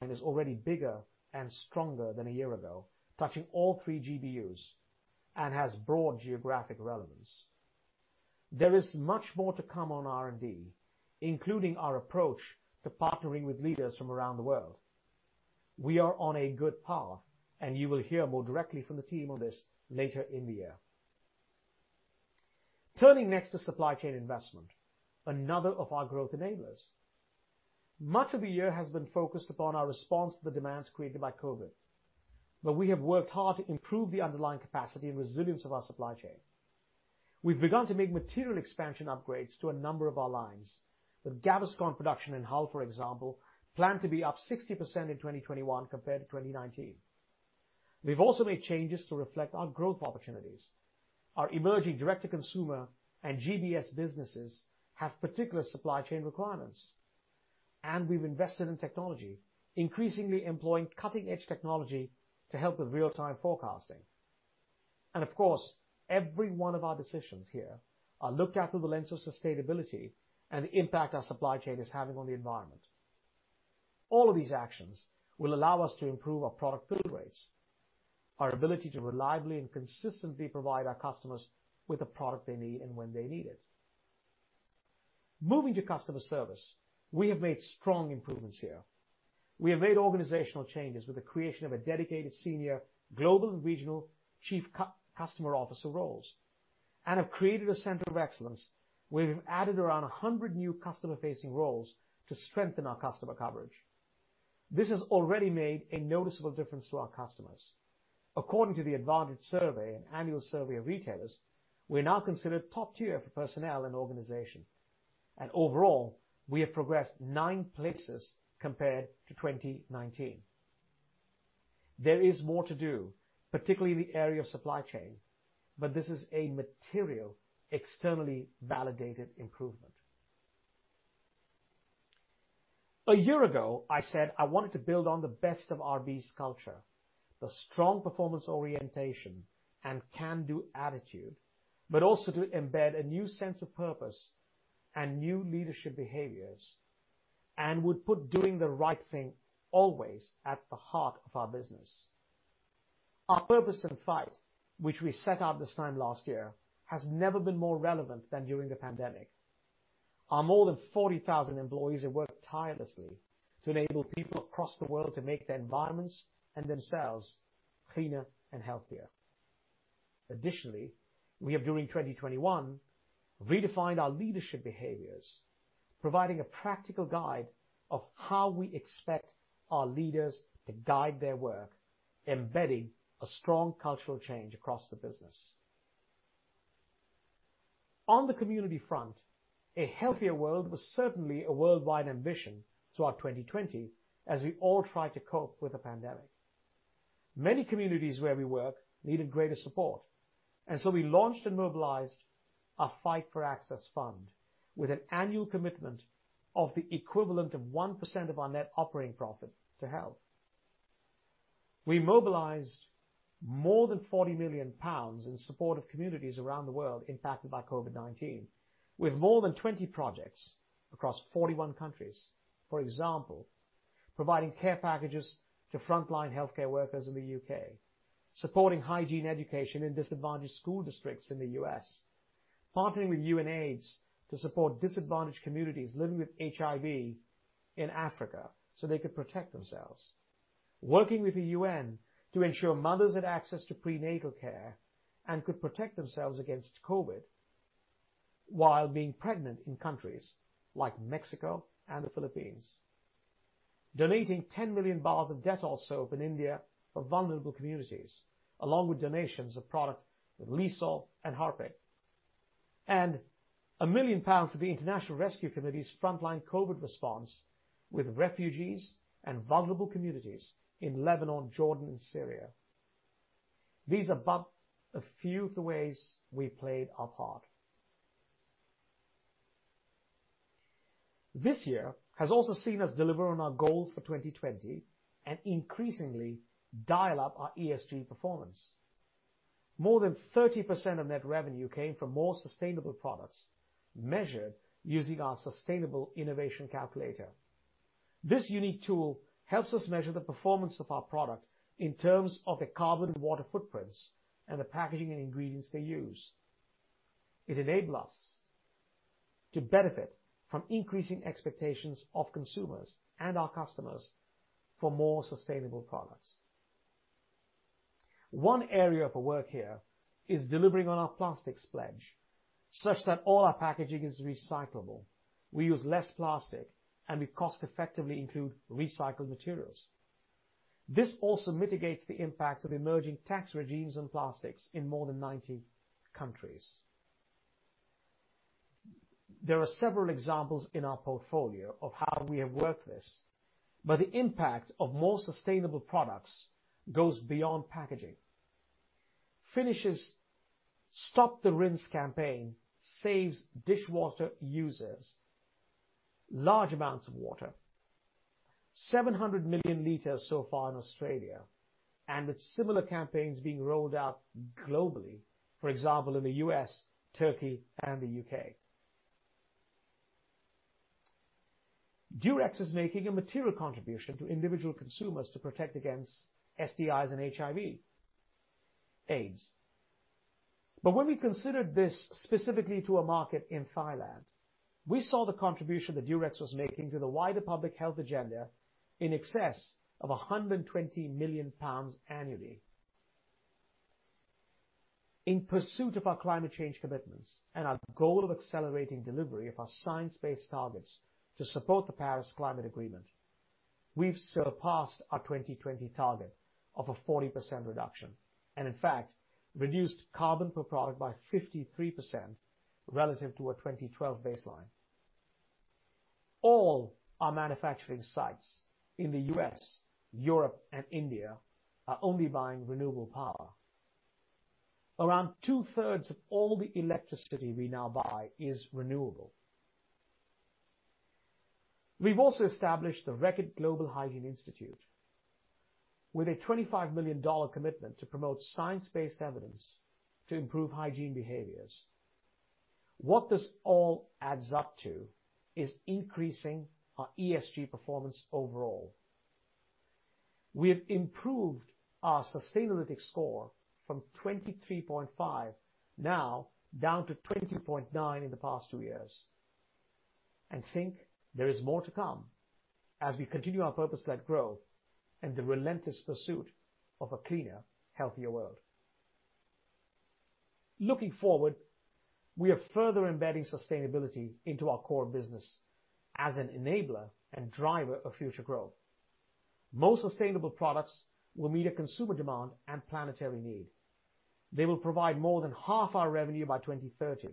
And it is already bigger and stronger than a year ago, touching all three GBUs, and has broad geographic relevance. There is much more to come on R&D, including our approach to partnering with leaders from around the world. We are on a good path, and you will hear more directly from the team on this later in the year. Turning next to supply chain investment, another of our growth enablers. Much of the year has been focused upon our response to the demands created by COVID, but we have worked hard to improve the underlying capacity and resilience of our supply chain. We've begun to make material expansion upgrades to a number of our lines. With Gaviscon production in Hull, for example, planned to be up 60% in 2021 compared to 2019. We've also made changes to reflect our growth opportunities. Our emerging direct-to-consumer and GBS businesses have particular supply chain requirements, and we've invested in technology, increasingly employing cutting-edge technology to help with real-time forecasting. Of course, every one of our decisions here are looked at through the lens of sustainability and the impact our supply chain is having on the environment. All of these actions will allow us to improve our product fill rates, our ability to reliably and consistently provide our customers with the product they need and when they need it. Moving to customer service, we have made strong improvements here. We have made organizational changes with the creation of dedicated senior global and regional chief customer officer roles and have created a center of excellence where we've added around 100 new customer-facing roles to strengthen our customer coverage. This has already made a noticeable difference to our customers. According to the Advantage Survey, an annual survey of retailers, we're now considered top tier for personnel and organization. Overall, we have progressed nine places compared to 2019. There is more to do, particularly in the area of supply chain, but this is a material externally validated improvement. A year ago, I said I wanted to build on the best of RB's culture. The strong performance orientation and can-do attitude, but also to embed a new sense of purpose and new leadership behaviors, and would put doing the right thing always at the heart of our business. Our purpose and fight, which we set out this time last year, has never been more relevant than during the pandemic. Our more than 40,000 employees have worked tirelessly to enable people across the world to make their environments and themselves cleaner and healthier. Additionally, we have during 2021, redefined our leadership behaviors, providing a practical guide of how we expect our leaders to guide their work, embedding a strong cultural change across the business. On the community front, a healthier world was certainly a worldwide ambition throughout 2020, as we all tried to cope with the pandemic. Many communities where we work needed greater support. We launched and mobilized our Fight for Access Fund with an annual commitment of the equivalent of 1% of our net operating profit to Health. We mobilized more than 40 million pounds in support of communities around the world impacted by COVID-19, with more than 20 projects across 41 countries. For example, providing care packages to frontline healthcare workers in the U.K., supporting Hygiene education in disadvantaged school districts in the U.S., partnering with UNAIDS to support disadvantaged communities living with HIV in Africa so they could protect themselves, working with the UN to ensure mothers had access to prenatal care. And could protect themselves against COVID while being pregnant in countries like Mexico and the Philippines, donating 10 million bars of Dettol soap in India for vulnerable communities, along with donations of product with Lysol and Harpic, and 1 million pounds to the International Rescue Committee's frontline COVID response with refugees and vulnerable communities in Lebanon, Jordan, and Syria. These are but a few of the ways we played our part. This year has also seen us deliver on our goals for 2020 and increasingly dial up our ESG performance. More than 30% of net revenue came from more sustainable products measured using our Sustainable Innovation Calculator. This unique tool helps us measure the performance of our product in terms of the carbon and water footprints and the packaging and ingredients they use. It enables us to benefit from increasing expectations of consumers and our customers for more sustainable products. One area of our work here is delivering on our plastics pledge, such that all our packaging is recyclable. We use less plastic, we cost-effectively include recycled materials. This also mitigates the impact of emerging tax regimes on plastics in more than 90 countries. There are several examples in our portfolio of how we have worked this, the impact of more sustainable products goes beyond packaging. Finish's Stop the Rinse campaign saves dishwater users large amounts of water, 700 million liters so far in Australia, and with similar campaigns being rolled out globally, for example, in the U.S., Turkey, and the U.K. Durex is making a material contribution to individual consumers to protect against STIs and HIV/AIDS. When we considered this specifically to a market in Thailand, we saw the contribution that Durex was making to the wider public health agenda in excess of 120 million pounds annually. In pursuit of our climate change commitments and our goal of accelerating delivery of our science-based targets to support the Paris Climate Agreement, we've surpassed our 2020 target of a 40% reduction, and in fact, reduced carbon per product by 53% relative to our 2012 baseline. All our manufacturing sites in the U.S., Europe, and India are only buying renewable power. Around 2/3 of all the electricity we now buy is renewable. We've also established the Reckitt Global Hygiene Institute with a $25 million commitment to promote science-based evidence to improve hygiene behaviors. What this all adds up to is increasing our ESG performance overall. We have improved our Sustainalytics score from 23.5 now down to 20.9 in the past two years, think there is more to come as we continue our purpose-led growth and the relentless pursuit of a cleaner, healthier world. Looking forward, we are further embedding sustainability into our core business as an enabler and driver of future growth. More sustainable products will meet a consumer demand and planetary need. They will provide more than half our revenue by 2030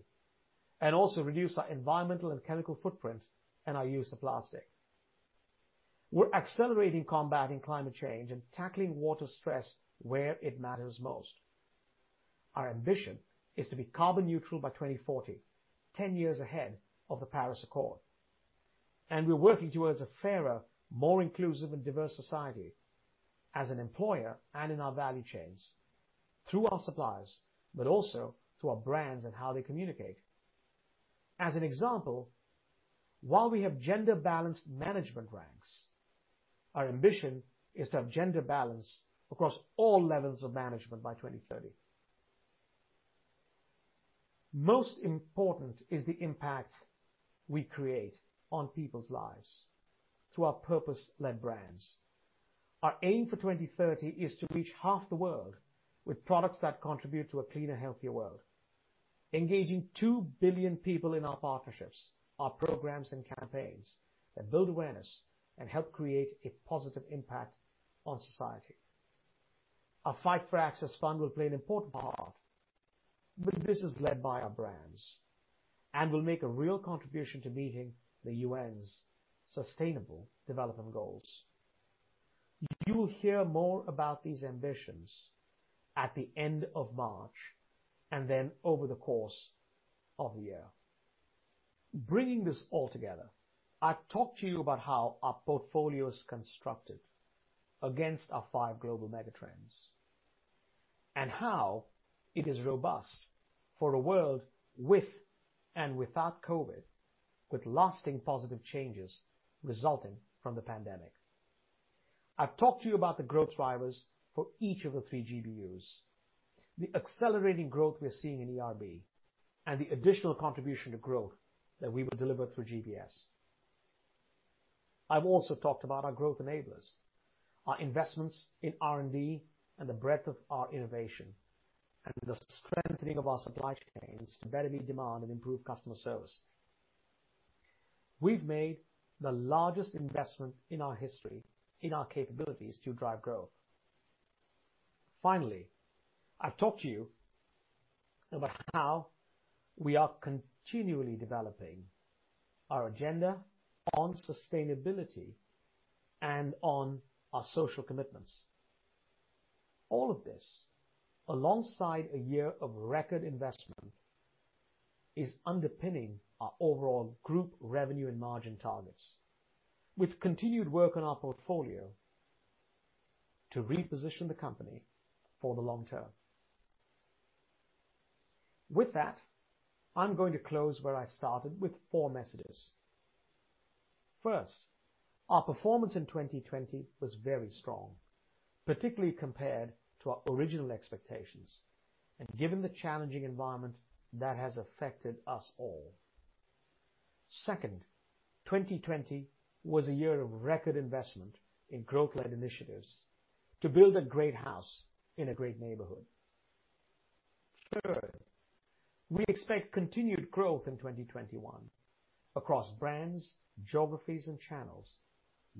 and also reduce our environmental and chemical footprint and our use of plastic. We're accelerating combating climate change and tackling water stress where it matters most. Our ambition is to be carbon neutral by 2040, 10 years ahead of the Paris Accord, and we're working towards a fairer, more inclusive and diverse society as an employer and in our value chains, through our suppliers, but also through our brands and how they communicate. As an example, while we have gender balanced management ranks, our ambition is to have gender balance across all levels of management by 2030. Most important is the impact we create on people's lives through our purpose-led brands. Our aim for 2030 is to reach half the world with products that contribute to a cleaner, healthier world, engaging two billion people in our partnerships, our programs and campaigns that build awareness and help create a positive impact on society. Our Fight for Access Fund will play an important part, but this is led by our brands and will make a real contribution to meeting the UN's Sustainable Development Goals. You will hear more about these ambitions at the end of March, and then over the course of the year. Bringing this all together, I've talked to you about how our portfolio is constructed against our five global mega trends, and how it is robust for a world with and without COVID, with lasting positive changes resulting from the pandemic. I've talked to you about the growth drivers for each of the three GBUs, the accelerating growth we're seeing in eRB, and the additional contribution to growth that we will deliver through GBS. I've also talked about our growth enablers, our investments in R&D, and the breadth of our innovation, and the strengthening of our supply chains to better meet demand and improve customer service. We've made the largest investment in our history in our capabilities to drive growth. Finally, I've talked to you about how we are continually developing our agenda on sustainability and on our social commitments. All of this, alongside a year of record investment, is underpinning our overall group revenue and margin targets with continued work on our portfolio to reposition the company for the long term. With that, I'm going to close where I started with four messages. First, our performance in 2020 was very strong, particularly compared to our original expectations and given the challenging environment that has affected us all. Second, 2020 was a year of record investment in growth-led initiatives to build a great house in a great neighborhood. Third, we expect continued growth in 2021 across brands, geographies, and channels,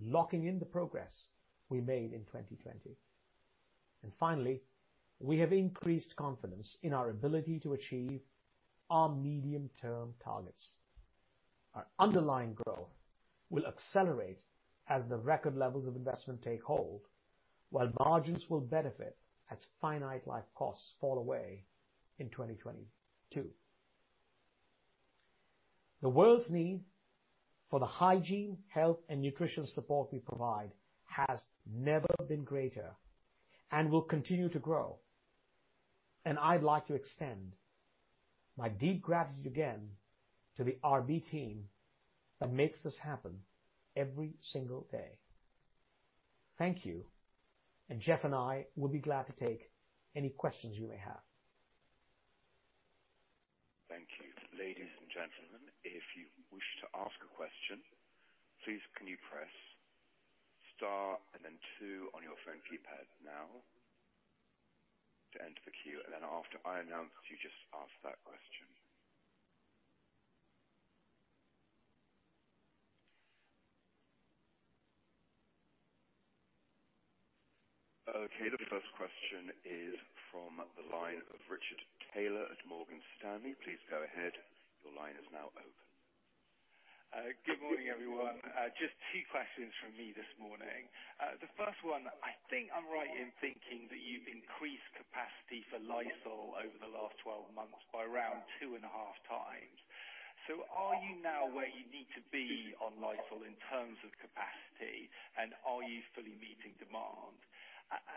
locking in the progress we made in 2020. Finally, we have increased confidence in our ability to achieve our medium term targets. Our underlying growth will accelerate as the record levels of investment take hold, while margins will benefit as finite life costs fall away in 2022. The world's need for the Hygiene, Health, and Nutrition support we provide has never been greater and will continue to grow, and I'd like to extend my deep gratitude again to the RB team that makes this happen every single day. Thank you, and Jeff and I will be glad to take any questions you may have. Thank you. Ladies and gentlemen, if you wish to ask a question, please can you press star and then two on your phone keypad now to enter the queue, and then after I announce you, just ask that question. Okay. The first question is from the line of Richard Taylor at Morgan Stanley. Please go ahead. Your line is now open. Good morning, everyone. Just two questions from me this morning. The first one, I think I'm right in thinking that you've increased capacity for Lysol over the last 12 months by around 2.5x. Are you now where you need to be on Lysol in terms of capacity, and are you fully meeting demand?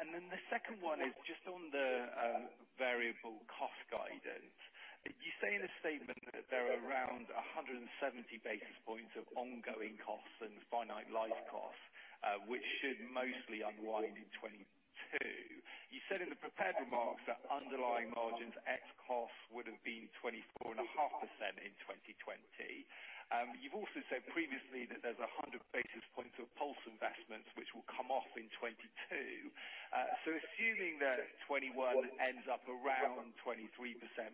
The second one is just on the variable cost guidance. You say in the statement that there are around 170 basis points of ongoing costs and finite life costs, which should mostly unwind in 2022.. You said in the prepared remarks that underlying margins X costs would have been 24.5% in 2020. You've also said previously that there's 100 basis points of pulse investments which will come off in 2022. Assuming that 2021 ends up around 23%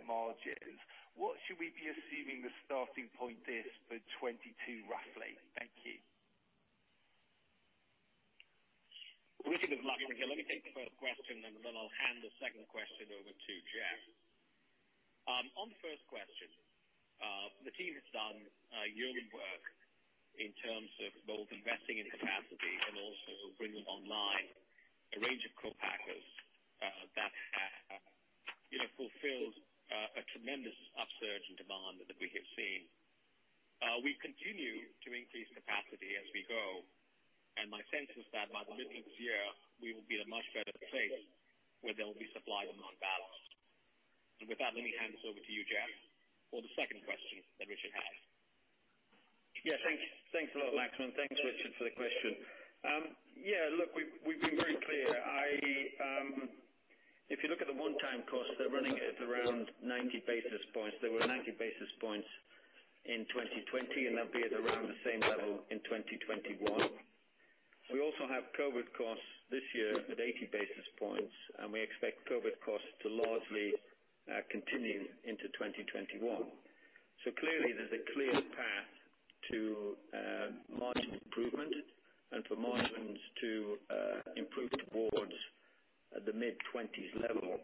margins, what should we be assuming the starting point is for 2022, roughly? Thank you. Richard, there's lots here. Let me take the first question, and then I'll hand the second question over to Jeff. On the first question, the team has done yeoman work in terms of both investing in capacity and also bringing online a range of co-packers that have fulfilled a tremendous upsurge in demand that we have seen. We continue to increase capacity as we go, and my sense is that by the middle of this year, we will be in a much better place where there will be supply demand balance. With that, let me hand this over to you, Jeff, for the second question that Richard has. Thanks a lot, Laxman. Thanks, Richard, for the question. Look, we've been very clear. If you look at the one-time costs, they're running at around 90 basis points. There were 90 basis points in 2020. They'll be at around the same level in 2021. We also have COVID costs this year at 80 basis points. We expect COVID costs to largely continue into 2021. Clearly, there's a clear path to margin improvement and for margins to improve towards the mid-20s level,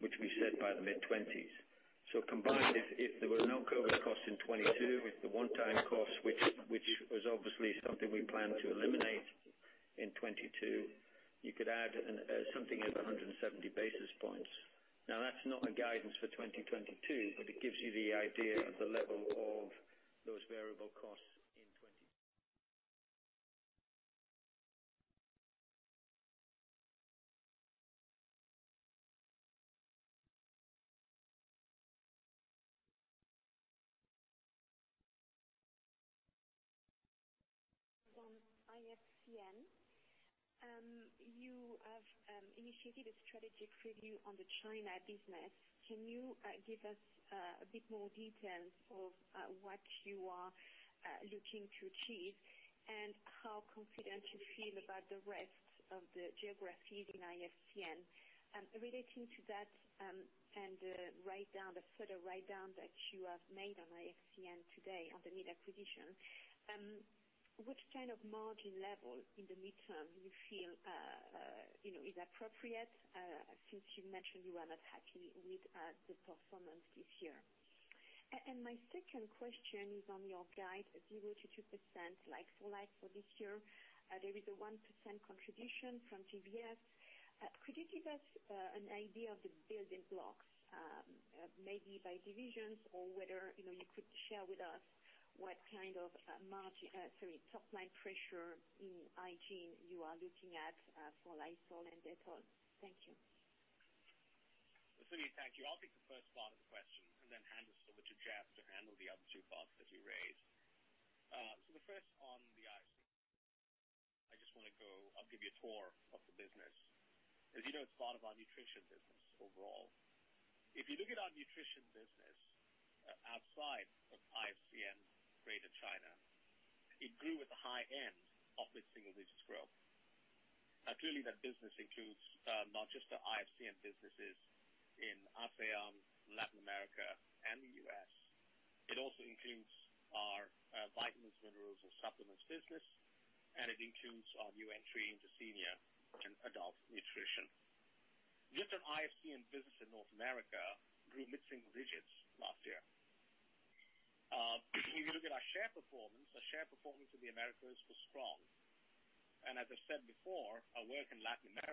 which we set by the mid-20s. Combined, if there were no COVID costs in 2022 with the one-time cost, which was obviously something we planned to eliminate in 2022, you could add something at 170 basis points. Now, that's not a guidance for 2022. But it gives you the idea of the level of those variable costs in 2020. From IFCN. You have initiated a strategic review on the China business. Can you give us a bit more detail of what you are looking to achieve and how confident you feel about the rest of the geographies in IFCN? Relating to that and the further write-down that you have made on IFCN today on the Mead acquisition, which kind of margin level in the midterm you feel is appropriate, since you mentioned you are not happy with the performance this year? And my second question is on your guide of 0%-2% like-for-like for this year. There is a 1% contribution from GBS. Could you give us an idea of the building blocks, maybe by divisions or whether you could share with us what kind of top-line pressure in Hygiene you are looking at for Lysol and Dettol? Thank you. Celine, thank you. I'll take the first part of the question and then hand this over to Jeff to handle the other two parts that you raised. The first on the IFCN, I'll give you a tour of the business because it's part of our Nutrition business overall. If you look at our Nutrition business outside of IFCN Greater China, it grew at the high end of its single-digit growth. Clearly, that business includes not just the IFCN businesses in ASEAN, Latin America, and the U.S., it also includes our vitamins, minerals, and supplements business, and it includes our new entry into senior and adult Nutrition. Just on IFCN business in North America grew mid-single digits last year. If you look at our share performance, our share performance in the Americas was strong. And as I said before, our work in ASEAN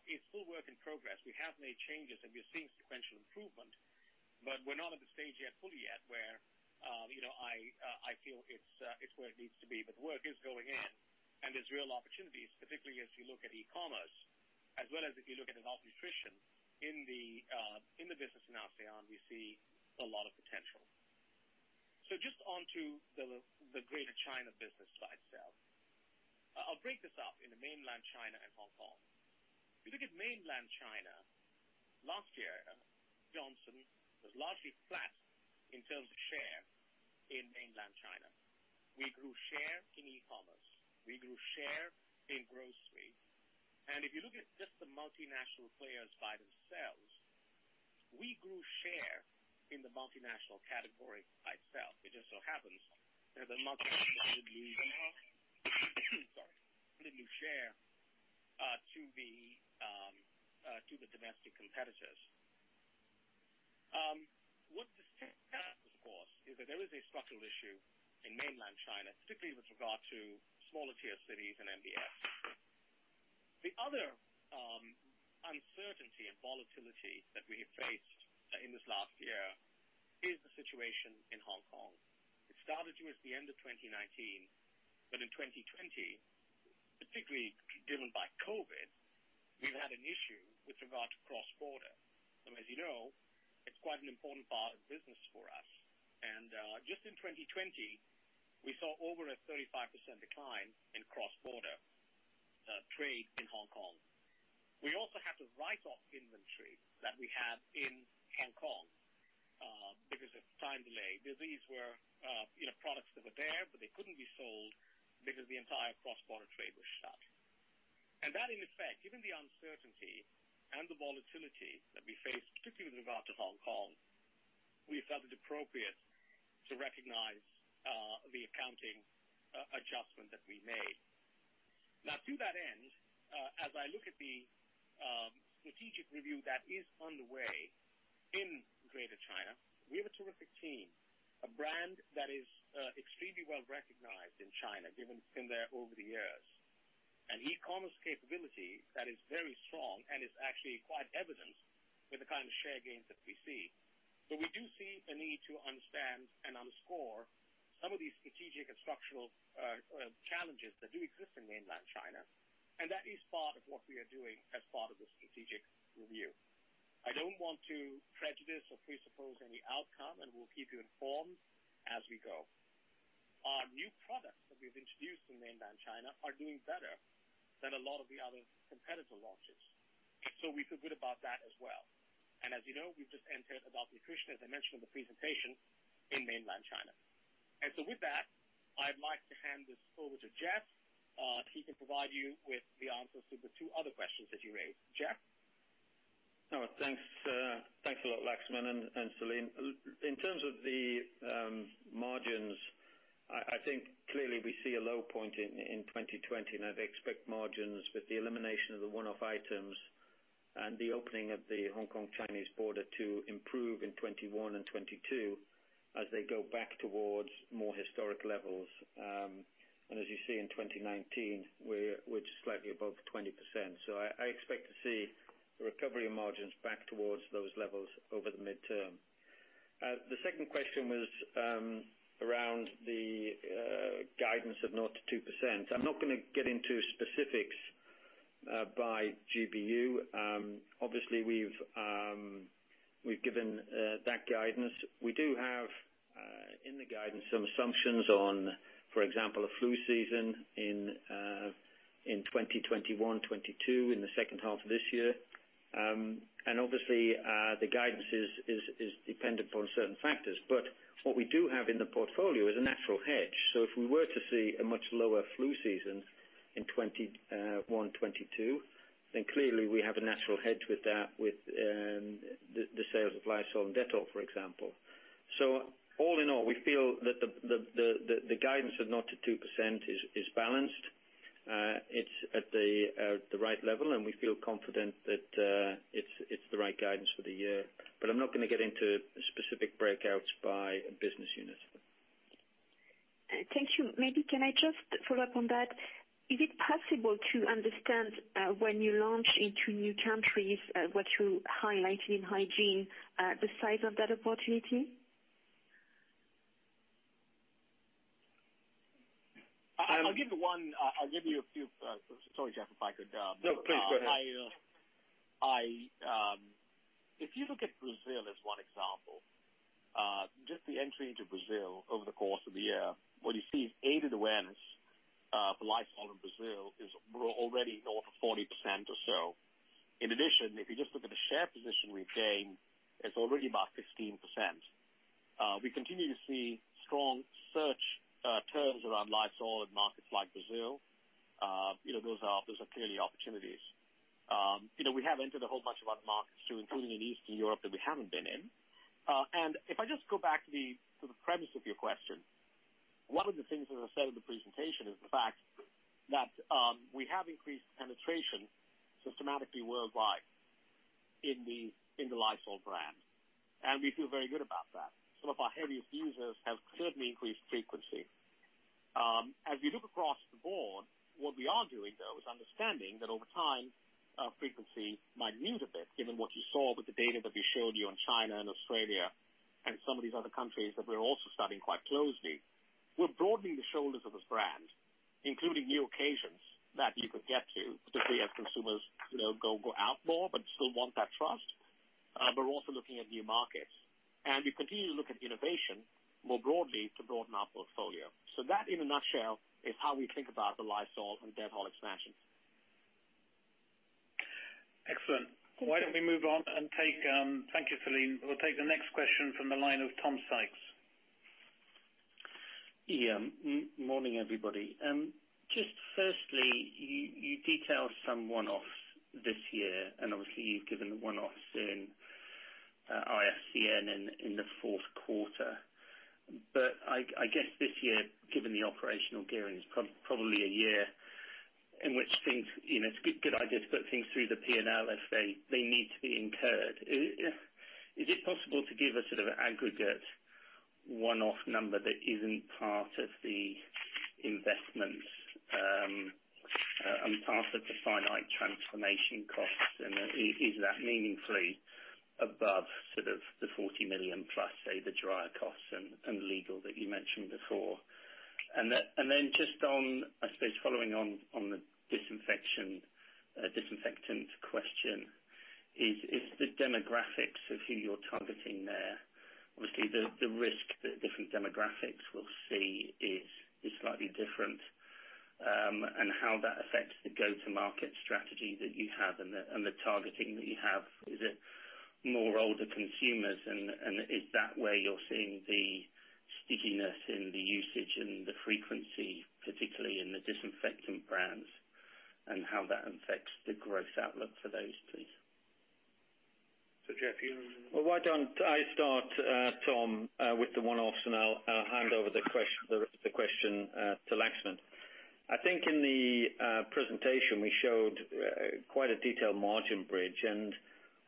is still work in progress. We have made changes, we are seeing sequential improvement, we're not at the stage fully yet where I feel it's where it needs to be. Work is going in, there's real opportunities, particularly as you look at e-commerce as well as if you look at adult nutrition in the business in ASEAN, we see a lot of potential. Just onto the Greater China business by itself. I'll break this up into Mainland China and Hong Kong. If you look at Mainland China, last year, Johnson was largely flat in terms of share in Mainland China. We grew share in e-commerce. We grew share in grocery. If you look at just the multinational players by themselves, we grew share in the multinational category by itself. It just so happens that the multinational sorry, didn't lose share to the domestic competitors. What this tells us, of course, is that there is a structural issue in Mainland China, particularly with regard to smaller tier cities and MBS. The other uncertainty and volatility that we have faced in this last year is the situation in Hong Kong. It started towards the end of 2019, but in 2020, particularly driven by COVID, we've had an issue with regard to cross-border. As you know, it's quite an important part of the business for us. Just in 2020, we saw over a 35% decline in cross-border trade in Hong Kong. We also had to write off inventory that we had in Hong Kong because of time delay. These were products that were there, but they couldn't be sold because the entire cross-border trade was shut. That, in effect, given the uncertainty and the volatility that we faced, particularly with regard to Hong Kong. We felt it appropriate to recognize the accounting adjustment that we made. To that end, as I look at the strategic review that is underway in Greater China, we have a terrific team, a brand that is extremely well-recognized in China, given it's been there over the years, an e-commerce capability that is very strong and is actually quite evident with the kind of share gains that we see. We do see a need to understand and underscore some of these strategic and structural challenges that do exist in Mainland China, and that is part of what we are doing as part of the strategic review.I don't want to prejudice or presuppose any outcome, and we'll keep you informed as we go. Our new products that we've introduced in Mainland China are doing better than a lot of the other competitor launches, so we feel good about that as well. As you know, we've just entered adult nutrition, as I mentioned in the presentation, in Mainland China. With that, I'd like to hand this over to Jeff. He can provide you with the answers to the two other questions that you raised. Jeff? Thanks a lot, Laxman and Celine. In terms of the margins, I think clearly we see a low point in 2020, and I'd expect margins with the elimination of the one-off items and the opening of the Hong Kong-Chinese border to improve in 2021 and 2022 as they go back towards more historic levels. As you see in 2019, we're just slightly above 20%. I expect to see the recovery margins back towards those levels over the midterm. The second question was around the guidance of 0%-2%. I'm not going to get into specifics by GBU. Obviously, we've given that guidance. We do have, in the guidance, some assumptions on, for example, a flu season in 2021, 2022, in the second half of this year. Obviously, the guidance is dependent upon certain factors. What we do have in the portfolio is a natural hedge. If we were to see a much lower flu season in 2021/2022, then clearly we have a natural hedge with the sales of Lysol and Dettol, for example. All in all, we feel that the guidance of 0%-2% is balanced. It's at the right level, and we feel confident that it's the right guidance for the year. I'm not going to get into specific breakouts by business units. Thank you. Can I just follow up on that? Is it possible to understand when you launch into new countries, what you highlighted in Hygiene, the size of that opportunity? I'll give you a few Sorry, Jeff, if I could. No, please go ahead. If you look at Brazil as one example, just the entry into Brazil over the course of the year, what you see is aided awareness for Lysol in Brazil is already north of 40% or so. In addition, if you just look at the share position we've gained, it's already about 15%. We continue to see strong search terms around Lysol in markets like Brazil. Those are clearly opportunities. We have entered a whole bunch of other markets too, including in Eastern Europe, that we haven't been in. If I just go back to the premise of your question, one of the things that I said in the presentation is the fact that we have increased penetration systematically worldwide in the Lysol brand, and we feel very good about that. Some of our heaviest users have certainly increased frequency. As we look across the board, what we are doing, though, is understanding that over time, frequency might mute a bit, given what you saw with the data that we showed you on China and Australia and some of these other countries that we're also studying quite closely. We're broadening the shoulders of this brand, including new occasions that you could get to, particularly as consumers go out more but still want that trust. We're also looking at new markets, and we continue to look at innovation more broadly to broaden our portfolio. That, in a nutshell, is how we think about the Lysol and Dettol expansion. Excellent. Thank you. Why dont we move on. Thank you, Celine. We'll take the next question from the line of Tom Sykes. Yeah. Morning, everybody. Just firstly, you detailed some one-offs this year, and obviously you've given the one-offs in IFCN in the fourth quarter. I guess this year, given the operational gearing, is probably a year in which it's a good idea to put things through the P&L as they need to be incurred. Is it possible to give a sort of aggregate one-off number that isn't part of the investments and part of the finite transformation costs, and is that meaningfully above sort of the 40 million+, say, the dryer costs and legal that you mentioned before? Then just on, I suppose, following on the disinfectant question is the demographics of who you're targeting there, obviously the risk that different demographics will see is slightly different and how that affects the go-to-market strategy that you have and the targeting that you have. Is it more older consumers, and is that where you're seeing the stickiness in the usage and the frequency, particularly in the disinfectant brands? How that affects the growth outlook for those, please. Jeff, you? Well, why don't I start, Tom, with the one-offs, I'll hand over the question to Laxman. I think in the presentation, we showed quite a detailed margin bridge,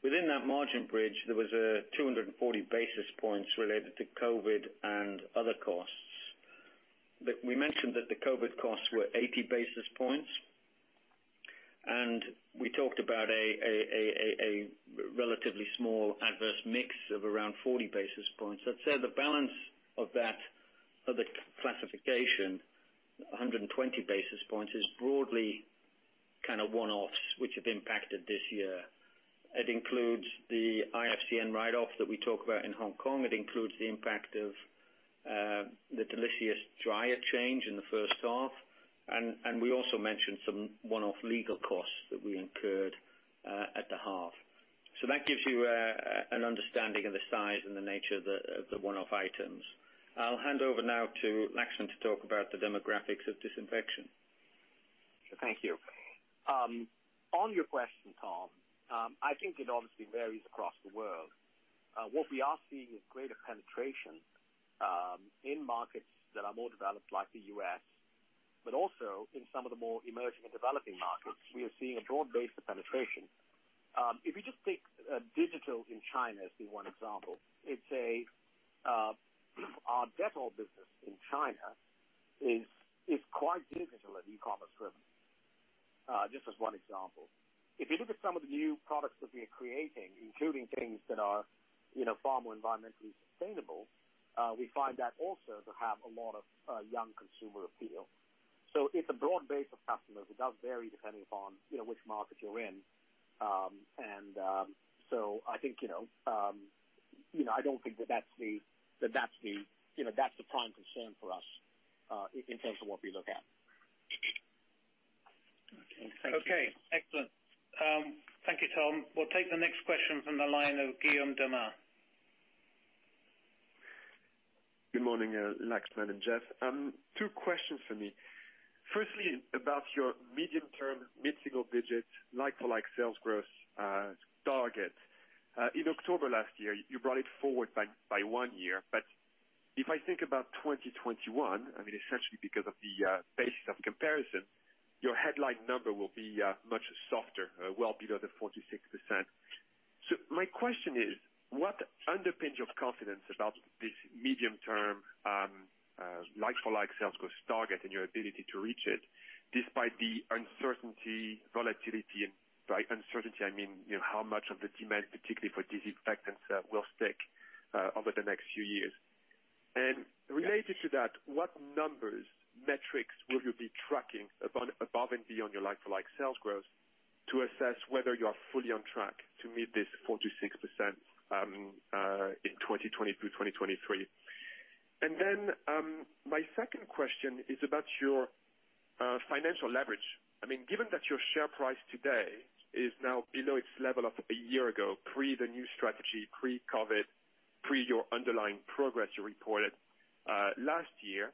within that margin bridge, there was a 240 basis points related to COVID and other costs. We mentioned that the COVID costs were 80 basis points, we talked about a relatively small adverse mix of around 40 basis points. I'd say the balance of the classification, 120 basis points, is broadly one-offs, which have impacted this year. It includes the IFCN write-off that we talk about in Hong Kong. It includes the impact of the Mexico dryer change in the first half. We also mentioned some one-off legal costs that we incurred at the half. That gives you an understanding of the size and the nature of the one-off items. I'll hand over now to Laxman to talk about the demographics of disinfection. Thank you. On your question, Tom, I think it obviously varies across the world. What we are seeing is greater penetration in markets that are more developed, like the U.S., but also in some of the more emerging and developing markets. We are seeing a broad base of penetration. If you just take digital in China as the one example, our Dettol business in China is quite digital and e-commerce driven. Just as one example. If you look at some of the new products that we are creating, including things that are far more environmentally sustainable, we find that also to have a lot of young consumer appeal. It's a broad base of customers. It does vary depending upon which market you are in. I don't think that's the prime concern for us in terms of what we look at. Okay. Excellent. Thank you, Tom. We'll take the next question from the line of Guillaume Delmas. Good morning, Laxman and Jeff. Two questions from me. Firstly, about your medium-term mid-single digit like-for-like sales growth target. In October last year, you brought it forward by one year. If I think about 2021, essentially because of the basis of comparison, your headline number will be much softer, well below the 4%-6%. My question is, what underpins your confidence about this medium-term like-for-like sales growth target and your ability to reach it despite the uncertainty, volatility and by uncertainty, I mean, how much of the demand, particularly for disinfectants, will stick over the next few years? Related to that, what numbers, metrics will you be tracking above and beyond your like-for-like sales growth to assess whether you are fully on track to meet this 4%-6% in 2022, 2023? And then my second question is about your financial leverage. Given that your share price today is now below its level of a year ago, pre the new strategy, pre-COVID, pre your underlying progress you reported last year,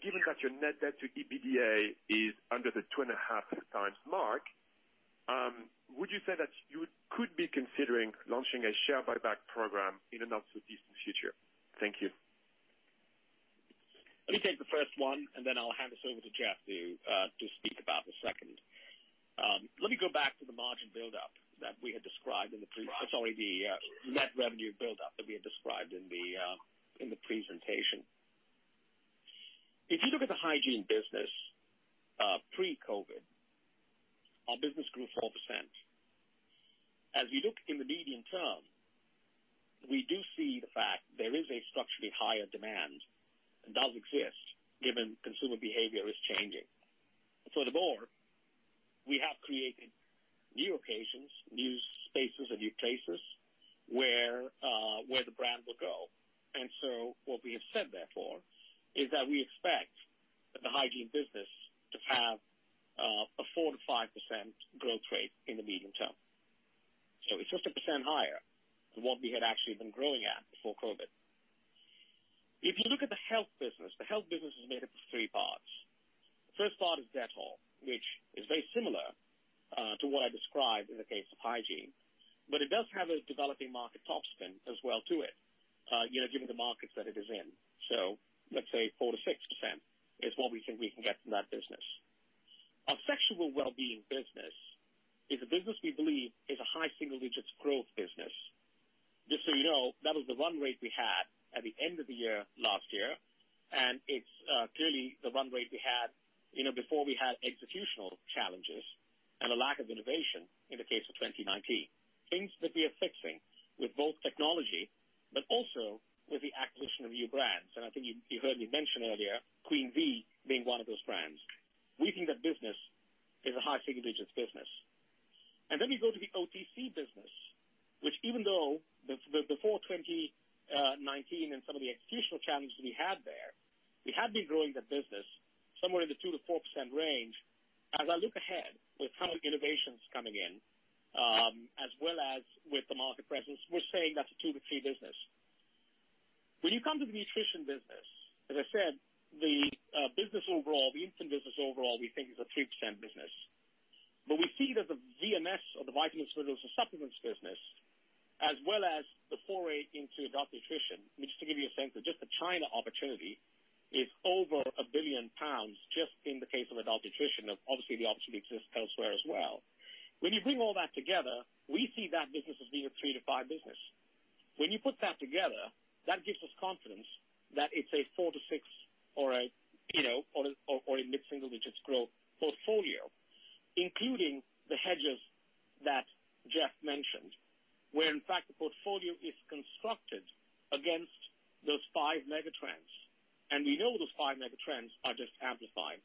given that your net debt to EBITDA is under the two and a half times mark, would you say that you could be considering launching a share buyback program in a not-so-distant future? Thank you. Let me take the first one, and then I'll hand this over to Jeff to speak about the second. Let me go back to the net revenue build-up that we had described in the presentation. If you look at the Hygiene business pre-COVID, our business grew 4%. We look in the medium term, we do see the fact there is a structurally higher demand that does exist given consumer behavior is changing. Therefore, we have created new occasions, new spaces, and new places where the brand will go. What we have said, therefore, is that we expect the Hygiene business to have a 4%-5% growth rate in the medium term. It's just a percent higher than what we had actually been growing at before COVID. If you look at the Health business, the Health business is made up of three parts. The first part is Dettol, which is very similar to what I described in the case of Hygiene, but it does have a developing market top spin as well to it given the markets that it is in. Let's say 4%-6% is what we think we can get from that business. Our Sexual Wellbeing business is a business we believe is a high single digits growth business. Just so you know, that was the run rate we had at the end of the year last year, and it's clearly the run rate we had before we had executional challenges and a lack of innovation in the case of 2019. Things that we are fixing with both technology, but also with the acquisition of new brands, and I think you heard me mention earlier, Queen V being one of those brands. We think that business is a high single digits business. You go to the OTC business, which even though before 2019 and some of the executional challenges we had there, we had been growing the business somewhere in the 2%-4% range. As I look ahead with how innovation is coming in, as well as with the market presence, we're saying that's a 2%-3% business. When you come to the Nutrition business, as I said, the business overall, the infant business overall, we think is a 3% business. We see that the VMS or the vitamins, minerals, and supplements business, as well as the foray into adult nutrition, just to give you a sense of just the China opportunity, is over 1 billion pounds, just in the case of adult nutrition. Obviously, the opportunity exists elsewhere as well. When you bring all that together, we see that business as being a 3-5 business. When you put that together, that gives us confidence that it's a 4-6 or a mid-single digits growth portfolio, including the hedges that Jeff mentioned, where in fact, the portfolio is constructed against those five megatrends. We know those five megatrends are just amplified.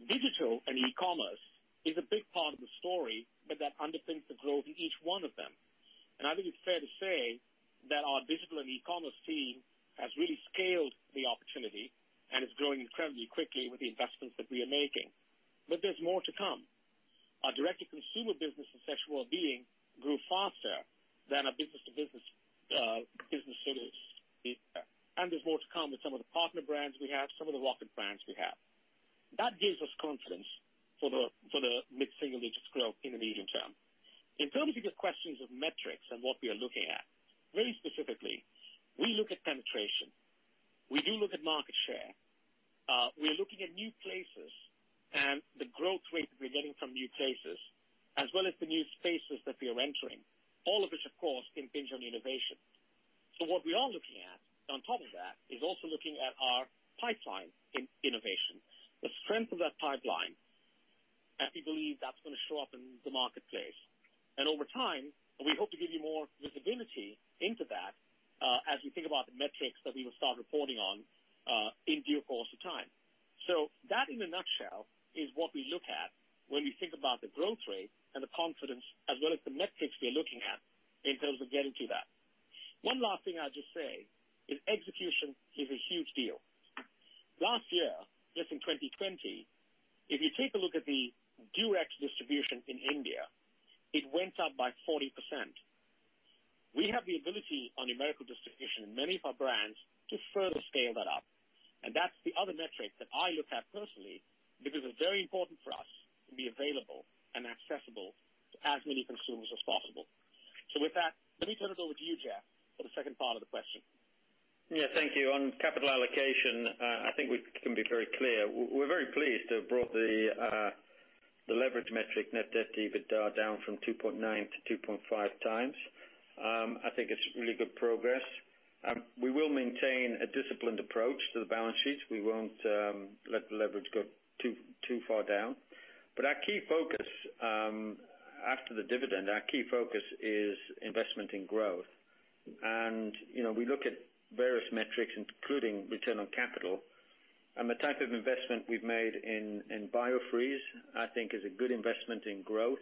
Digital and e-commerce is a big part of the story, but that underpins the growth in each one of them. I think it's fair to say that our digital and e-commerce team has really scaled the opportunity and is growing incredibly quickly with the investments that we are making. There's more to come. Our direct-to-consumer business and Sexual Wellbeing grew faster than our business-to-business service. There's more to come with some of the partner brands we have, some of the Reckitt brands we have. That gives us confidence for the mid-single digits growth in the medium term. In terms of your questions of metrics and what we are looking at, very specifically, we look at penetration. We do look at market share. We are looking at new places and the growth rate that we're getting from new places, as well as the new spaces that we are entering. All of which, of course, impinge on innovation. What we are looking at on top of that is also looking at our pipeline in innovation, the strength of that pipeline, and we believe that's going to show up in the marketplace. Over time, we hope to give you more visibility into that, as we think about the metrics that we will start reporting on in due course of time. That in a nutshell is what we look at when we think about the growth rate and the confidence as well as the metrics we are looking at in terms of getting to that. One last thing I'll just say is execution is a huge deal. Last year, just in 2020, if you take a look at the direct distribution in India, it went up by 40%. We have the ability on numerical distribution in many of our brands to further scale that up, and that's the other metric that I look at personally, because it's very important for us to be available and accessible to as many consumers as possible. With that, let me turn it over to you, Jeff, for the second part of the question. Thank you. On capital allocation, I think we can be very clear. We're very pleased to have brought the leverage metric net debt to EBITDA down from 2.9x-2.5x. I think it's really good progress. We will maintain a disciplined approach to the balance sheet. We won't let the leverage go too far down. Our key focus after the dividend, our key focus is investment in growth. We look at various metrics, including return on capital. The type of investment we've made in Biofreeze, I think is a good investment in growth.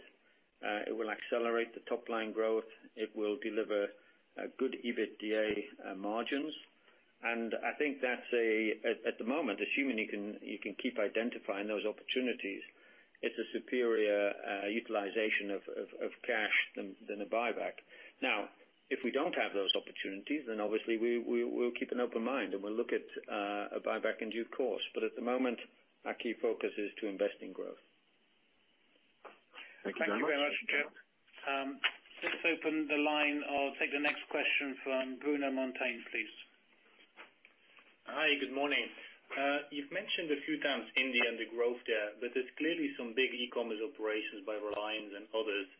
It will accelerate the top-line growth. It will deliver good EBITDA margins. I think that's, at the moment, assuming you can keep identifying those opportunities, it's a superior utilization of cash than a buyback. Now iF we don't have those opportunities, then obviously we'll keep an open mind, and we'll look at a buyback in due course. At the moment, our key focus is to invest in growth. Thank you very much. Thank you very much, Jeff. Let's open the line. I'll take the next question from Bruno Monteyne, please. Hi, good morning. You've mentioned a few times India and the growth there. There's clearly some big e-commerce operations by Reliance and others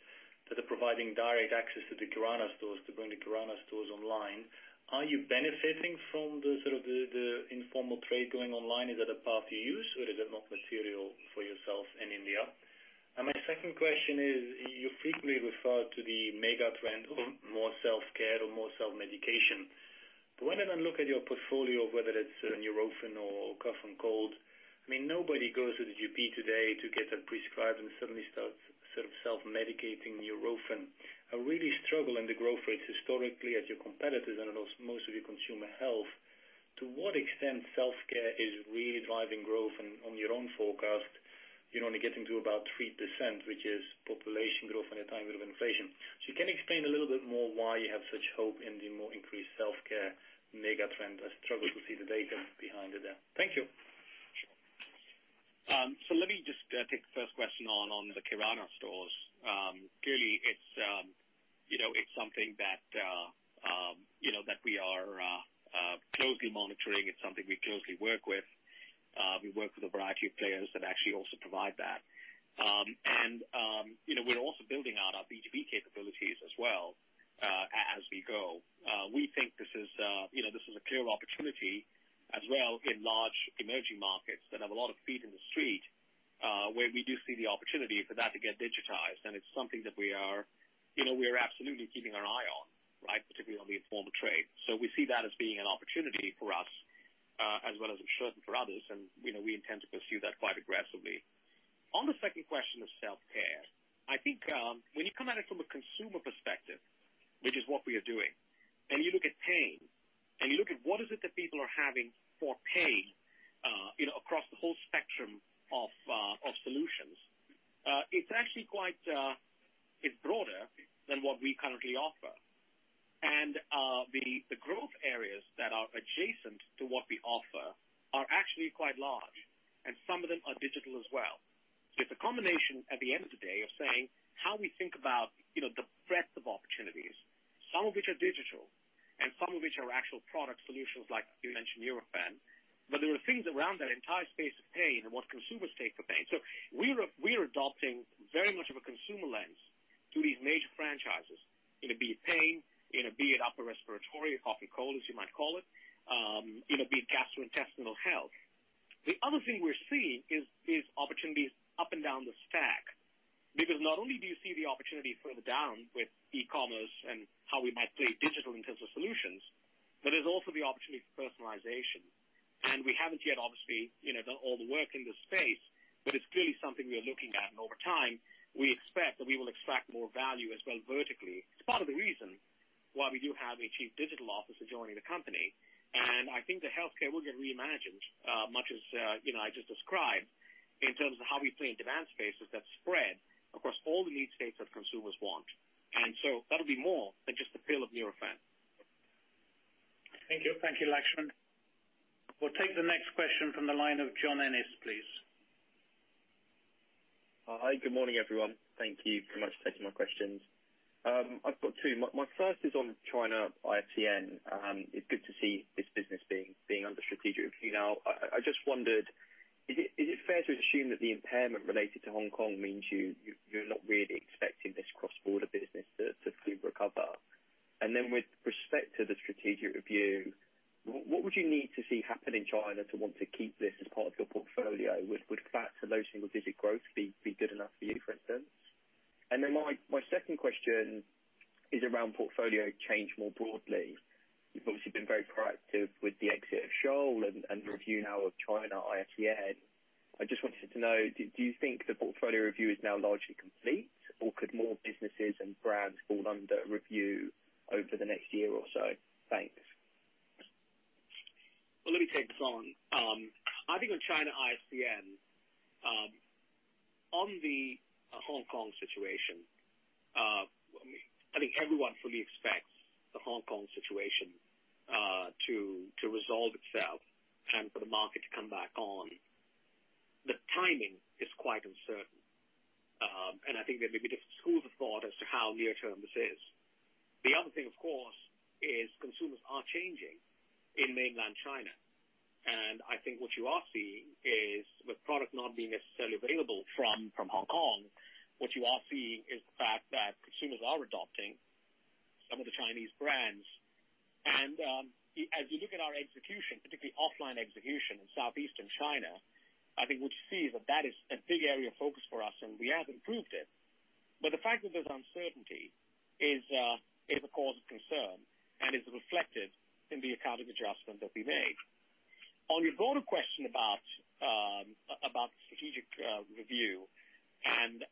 that are providing direct access to the kirana stores to bring the kirana stores online. Are you benefiting from the sort of informal trade going online? Is that a path you use or is it not material for yourself in India? My second question is, you frequently refer to the mega trend of more self-care or more self-medication. When I look at your portfolio, whether it's Nurofen or cough and cold, I mean, nobody goes to the GP today to get them prescribed and suddenly starts sort of self-medicating Nurofen. I really struggle in the growth rates historically at your competitors and also most of your consumer health. To what extent self-care is really driving growth and on your own forecast, you're only getting to about 3%, which is population growth and a tiny bit of inflation. Can you explain a little bit more why you have such hope in the more increased self-care mega trend? I struggle to see the data behind it there. Thank you. Let me just take the first question on the kirana stores. Clearly, it's something that we are closely monitoring. It's something we closely work with. We work with a variety of players that actually also provide that. We're also building out our B2B capabilities as well as we go. We think this is a clear opportunity as well in large emerging markets that have a lot of feet in the street, where we do see the opportunity for that to get digitized. It's something that we are absolutely keeping our eye on, right? Particularly on the informal trade. We see that as being an opportunity for us, as well as I'm sure for others, and we intend to pursue that quite aggressively. On the second question of self-care, I think, when you come at it from a consumer perspective, which is what we are doing, and you look at pain, and you look at what is it that people are having for pain across the whole spectrum of solutions, it's actually quite, is broader than what we currently offer. The growth areas that are adjacent to what we offer are actually quite large, and some of them are digital as well. It's a combination, at the end of the day, of saying how we think about the breadth of opportunities, some of which are digital and some of which are actual product solutions, like you mentioned Nurofen. There are things around that entire space of pain and what consumers take for pain. We are adopting very much of a consumer lens to these major franchises, it be pain, it be upper respiratory, cough and cold, as you might call it be gastrointestinal health. The other thing we're seeing is opportunities up and down the stack. Not only do you see the opportunity further down with e-commerce and how we might play digital in terms of solutions, but there's also the opportunity for personalization. We haven't yet, obviously, done all the work in this space, but it's clearly something we are looking at. Over time, we expect that we will extract more value as well vertically. It's part of the reason why we do have a chief digital officer joining the company. And I think the healthcare will get reimagined, much as I just described, in terms of how we play in demand spaces that spread across all the need states that consumers want. That'll be more than just the pill of Nurofen. Thank you. Thank you, Laxman. We'll take the next question from the line of John Ennis, please. Hi. Good morning, everyone. Thank you very much for taking my questions. I've got two. My first is on China IFCN. It's good to see this business being under strategic review now. I just wondered, is it fair to assume that the impairment related to Hong Kong means you're not really expecting this cross-border business to fully recover? With respect to the strategic review, what would you need to see happen in China to want to keep this as part of your portfolio? Would back to low single digit growth be good enough for you, for instance? My second question is around portfolio change more broadly. You've obviously been very proactive with the exit of Scholl and the review now of China IFCN.I just wanted to know, do you think the portfolio review is now largely complete, or could more businesses and brands fall under review over the next year or so? Thanks. Well, let me take this on. I think on China IFCN, on the Hong Kong situation, I think everyone fully expects the Hong Kong situation to resolve itself and for the market to come back on. The timing is quite uncertain, and I think there may be different schools of thought as to how near-term this is. The other thing, of course, is consumers are changing in mainland China, and I think what you are seeing is with product not being necessarily available from Hong Kong, what you are seeing is the fact that consumers are adopting some of the Chinese brands. As you look at our execution, particularly offline execution in southeastern China, I think we'd see that that is a big area of focus for us, and we have improved it. But the fact that there's uncertainty is a cause of concern and is reflected in the accounting adjustment that we made. On your broader question about strategic review and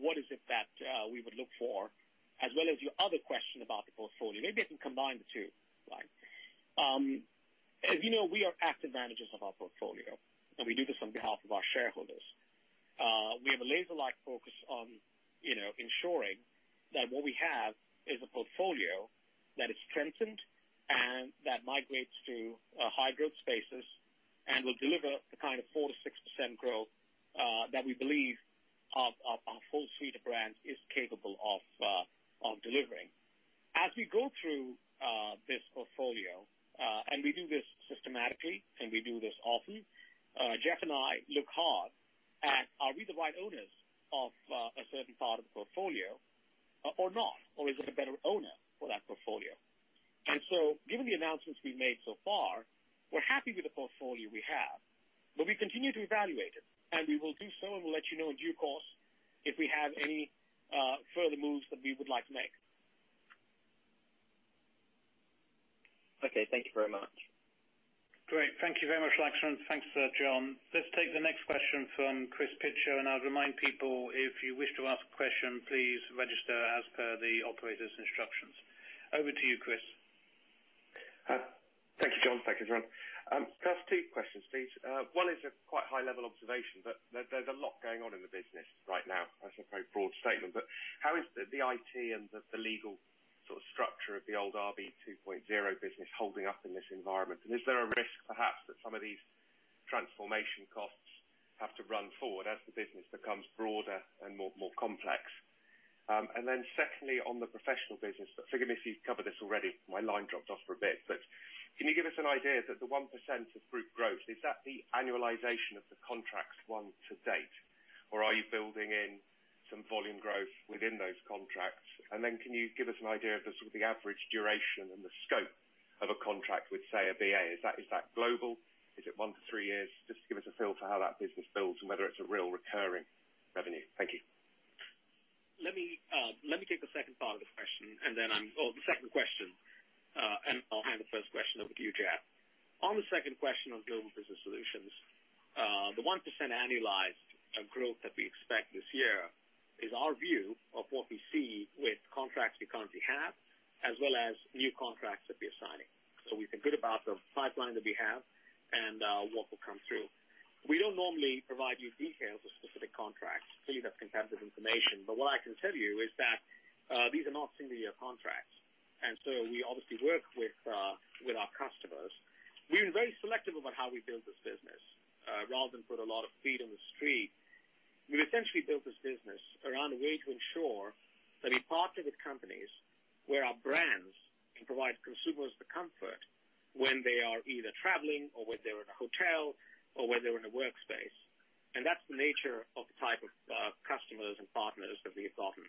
what is it that we would look for as well as your other question about the portfolio, maybe I can combine the two. As you know, we are active managers of our portfolio, and we do this on behalf of our shareholders. We have a laser-like focus on ensuring that what we have is a portfolio that is strengthened and that migrates to high-growth spaces and will deliver the kind of 4%-6% growth, that we believe our full suite of brands is capable of delivering. As we go through this portfolio, and we do this systematically, and we do this often, Jeff and I look hard at are we the right owners of a certain part of the portfolio or not? Is there a better owner for that portfolio? Given the announcements we've made so far, we're happy with the portfolio we have, but we continue to evaluate it, and we will do so, and we'll let you know in due course if we have any further moves that we would like to make. Okay. Thank you very much. Great. Thank you very much, Laxman. Thanks, John. Let's take the next question from Chris Pitcher. I'll remind people, if you wish to ask a question, please register as per the operator's instructions. Over to you, Chris. Thank you, Jon. Thank you, everyone. Can I ask two questions, please? One is a quite high-level observation, but there's a lot going on in the business right now. That's a very broad statement, but how is the IT and the legal structure of the old RB 2.0 business holding up in this environment? Is there a risk, perhaps, that some of these transformation costs have to run forward as the business becomes broader and more complex? Then secondly, on the professional business, forgive me if you've covered this already, my line dropped off for a bit, but can you give us an idea that the 1% of group growth, is that the annualization of the contracts won to date, or are you building in some volume growth within those contracts? Can you give us an idea of the sort of the average duration and the scope of a contract with, say, a BA? Is that global? Is it 1-3 years? Just to give us a feel for how that business builds and whether it's a real recurring revenue. Thank you. Let me take the second part of the question, or the second question, and I'll hand the first question over to you, Jeff. On the second question on Global Business Solutions, the 1% annualized growth that we expect this year is our view of what we see with contracts we currently have. As well as new contracts that we are signing. We feel good about the pipeline that we have and what will come through. We don't normally provide you details of specific contracts, clearly that's competitive information. What I can tell you is that these are not single-year contracts. We obviously work with our customers. We've been very selective about how we build this business. Rather than put a lot of feet on the street, we've essentially built this business around a way to ensure that we partner with companies where our brands can provide consumers the comfort when they are either traveling or when they're in a hotel or when they're in a workspace. That's the nature of the type of customers and partners that we have gotten.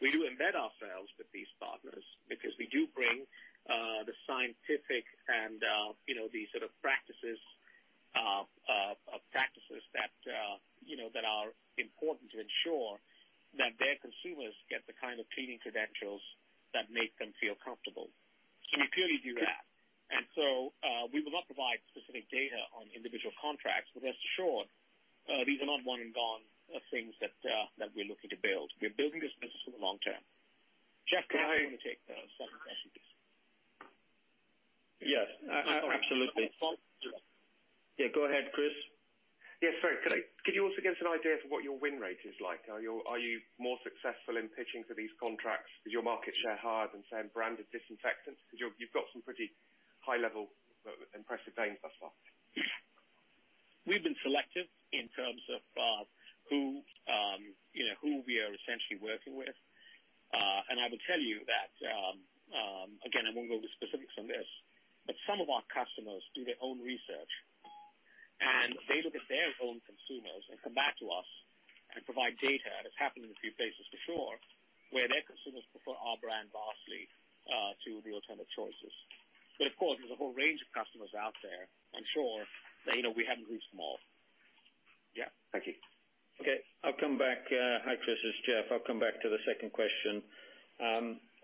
We do embed ourselves with these partners because we do bring the scientific and these sort of practices that are important to ensure that their consumers get the kind of cleaning credentials that make them feel comfortable. We clearly do that. We will not provide specific data on individual contracts, rest assured, these are not one and gone things that we're looking to build. We're building this business for the long term. Jeff. Let me take the second question, please. Yes, absolutely. Yeah, go ahead, Chris. Yes, sorry. Could you also give us an idea for what your win rate is like? Are you more successful in pitching for these contracts? Is your market share higher than, say, in branded disinfectants? You've got some pretty high-level impressive gains thus far. We've been selective in terms of who we are essentially working with. I will tell you that, again, I won't go into specifics on this, but some of our customers do their own research, and they look at their own consumers and come back to us and provide data. It's happened in a few places before, where their consumers prefer our brand vastly to the alternative choices. Of course, there's a whole range of customers out there, I'm sure, that we haven't reached them all. Yeah. Thank you. Okay. I'll come back. Hi, Chris. This is Jeff. I'll come back to the second question.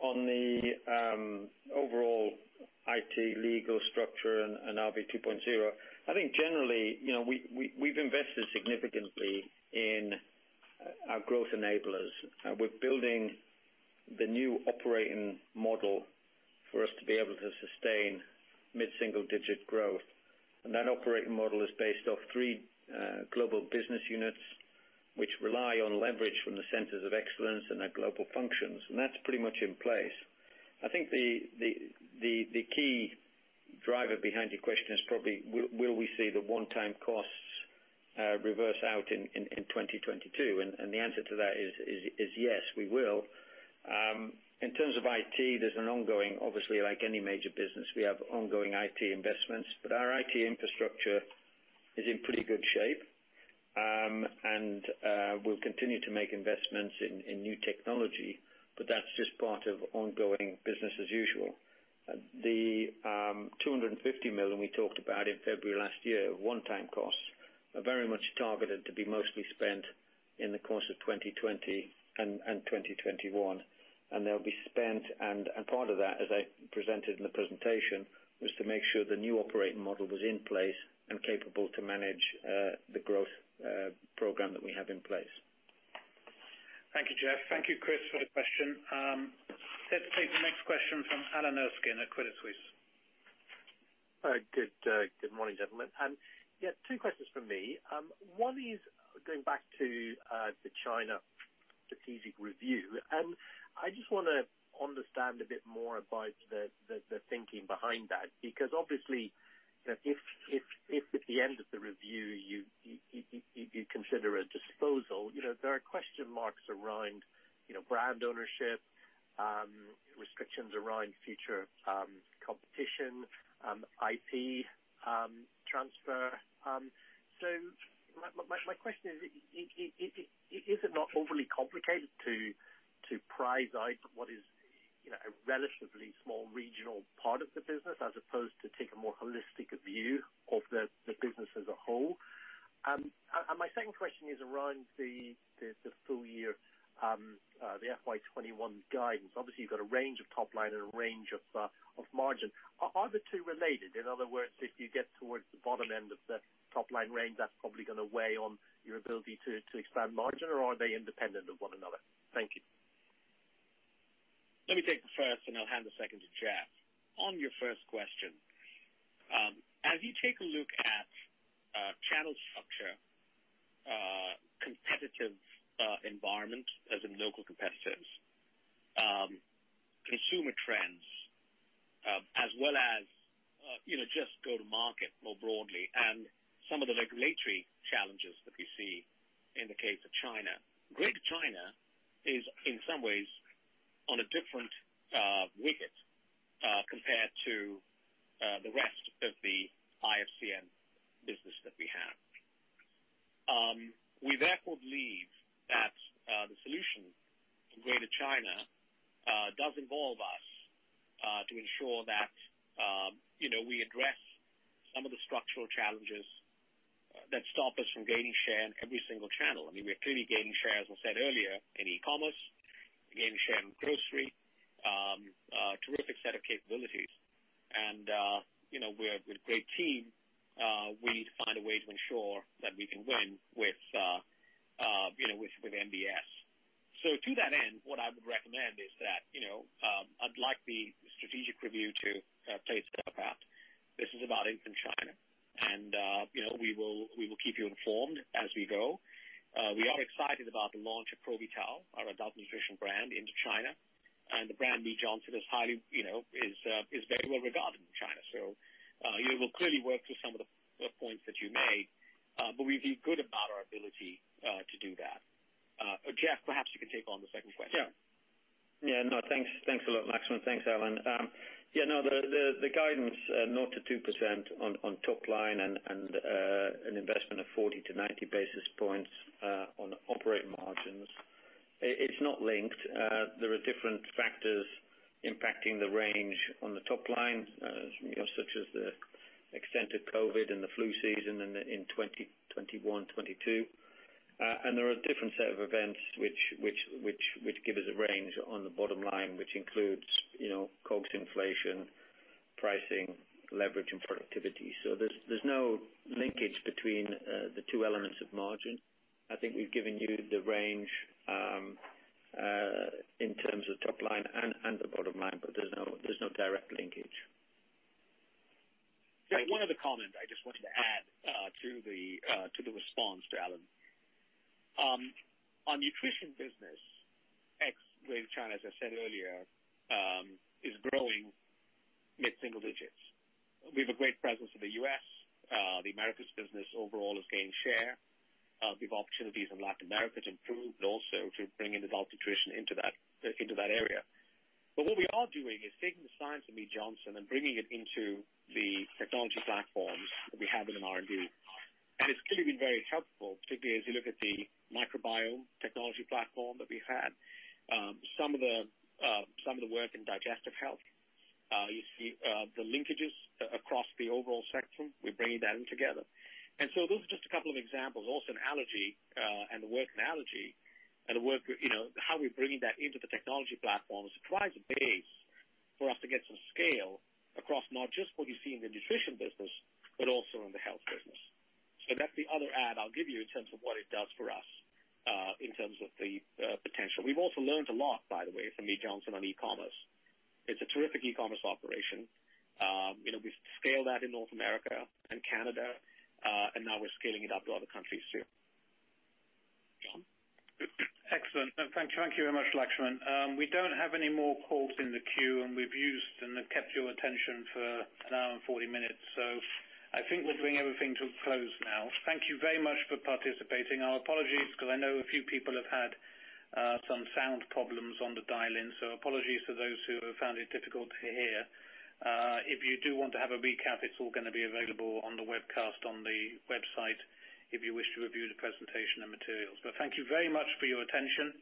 On the overall IT legal structure and RB 2.0, I think generally, we've invested significantly in our growth enablers. We're building the new operating model for us to be able to sustain mid-single-digit growth. That operating model is based off three Global Business Units, which rely on leverage from the centers of excellence and our global functions. That's pretty much in place. I think the key driver behind your question is probably, will we see the one-time costs reverse out in 2022? The answer to that is yes, we will. In terms of IT, there's an ongoing, obviously, like any major business, we have ongoing IT investments, but our IT infrastructure is in pretty good shape. We'll continue to make investments in new technology, but that's just part of ongoing business as usual. The 250 million we talked about in February last year, one-time costs, are very much targeted to be mostly spent in the course of 2020 and 2021. They'll be spent, and part of that, as I presented in the presentation, was to make sure the new operating model was in place and capable to manage the growth program that we have in place. Thank you, Jeff. Thank you, Chris, for the question. Let's take the next question from Alan Erskine at Credit Suisse. Good morning, gentlemen. Two questions from me. One is going back to the China strategic review. I just want to understand a bit more about the thinking behind that, because obviously, if at the end of the review you consider a disposal, there are question marks around brand ownership, restrictions around future competition, IP transfer. My question is it not overly complicated to prize out what is a relatively small regional part of the business as opposed to take a more holistic view of the business as a whole? My second question is around the full year, the FY 2021 guidance. Obviously, you've got a range of top line and a range of margin. Are the two related? In other words, if you get towards the bottom end of the top line range, that's probably going to weigh on your ability to expand margin, or are they independent of one another? Thank you. Let me take the first, and I'll hand the second to Jeff. On your first question, as you take a look at channel structure, competitive environment, as in local competitors, consumer trends, as well as just go to market more broadly and some of the regulatory challenges that we see in the case of China. Greater China is, in some ways, on a different wicket compared to the rest of the IFCN business that we have. We therefore believe that the solution for Greater China does involve us to ensure that we address some of the structural challenges that stop us from gaining share in every single channel. I mean, we are clearly gaining share, as I said earlier, in e-commerce, gaining share in grocery, a terrific set of capabilities. We're a great team. We need to find a way to ensure that we can win with GBS. To that end, what I would recommend is that I'd like the strategic review to play itself out. This is about infant China, and we will keep you informed as we go. We are excited about the launch of Provital, our adult nutrition brand, into China, and the brand Mead Johnson is very well regarded in China. We'll clearly work through some of the points that you made, but we feel good about our ability to do that. Jeff, perhaps you can take on the second question. No, thanks a lot, Laxman. Thanks, Alan. The guidance, 0%-2% on top line and an investment of 40-90 basis points on operating margins. It's not linked. There are different factors impacting the range on the top line, such as the extent of COVID and the flu season in 2021-22. There are a different set of events which give us a range on the bottom line, which includes COGS inflation, pricing, leverage, and productivity. There's no linkage between the two elements of margin. I think we've given you the range in terms of top line and the bottom line, but there's no direct linkage. One of the comments I just wanted to add to the response to Alan. Our Nutrition business, ex-Greater China, as I said earlier, is growing mid-single digits. We have a great presence in the U.S. The Americas business overall has gained share. We have opportunities in Latin America to improve, also to bring in adult nutrition into that area. What we are doing is taking the science of Mead Johnson and bringing it into the technology platforms that we have in R&D. It's clearly been very helpful, particularly as you look at the microbiome technology platform that we have. Some of the work in digestive health. You see the linkages across the overall spectrum. We're bringing that in together. Those are just a couple of examples. In allergy, and the work in allergy and how we're bringing that into the technology platform provides a base for us to get some scale across not just what you see in the nutrition business, but also in the health business. That's the other add I'll give you in terms of what it does for us, in terms of the potential. We've also learned a lot, by the way, from Mead Johnson on e-commerce. It's a terrific e-commerce operation. We've scaled that in North America and Canada, now we're scaling it up to other countries, too. Jon? Excellent. Thank you. Thank you very much, Laxman. We don't have any more calls in the queue, and we've used and have kept your attention for an hour and 40 minutes, so I think we'll bring everything to a close now. Thank you very much for participating. Our apologies, because I know a few people have had some sound problems on the dial-in, so apologies to those who have found it difficult to hear. If you do want to have a recap, it's all going to be available on the webcast on the website if you wish to review the presentation and materials. Thank you very much for your attention.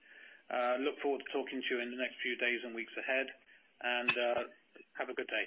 Look forward to talking to you in the next few days and weeks ahead, and have a good day.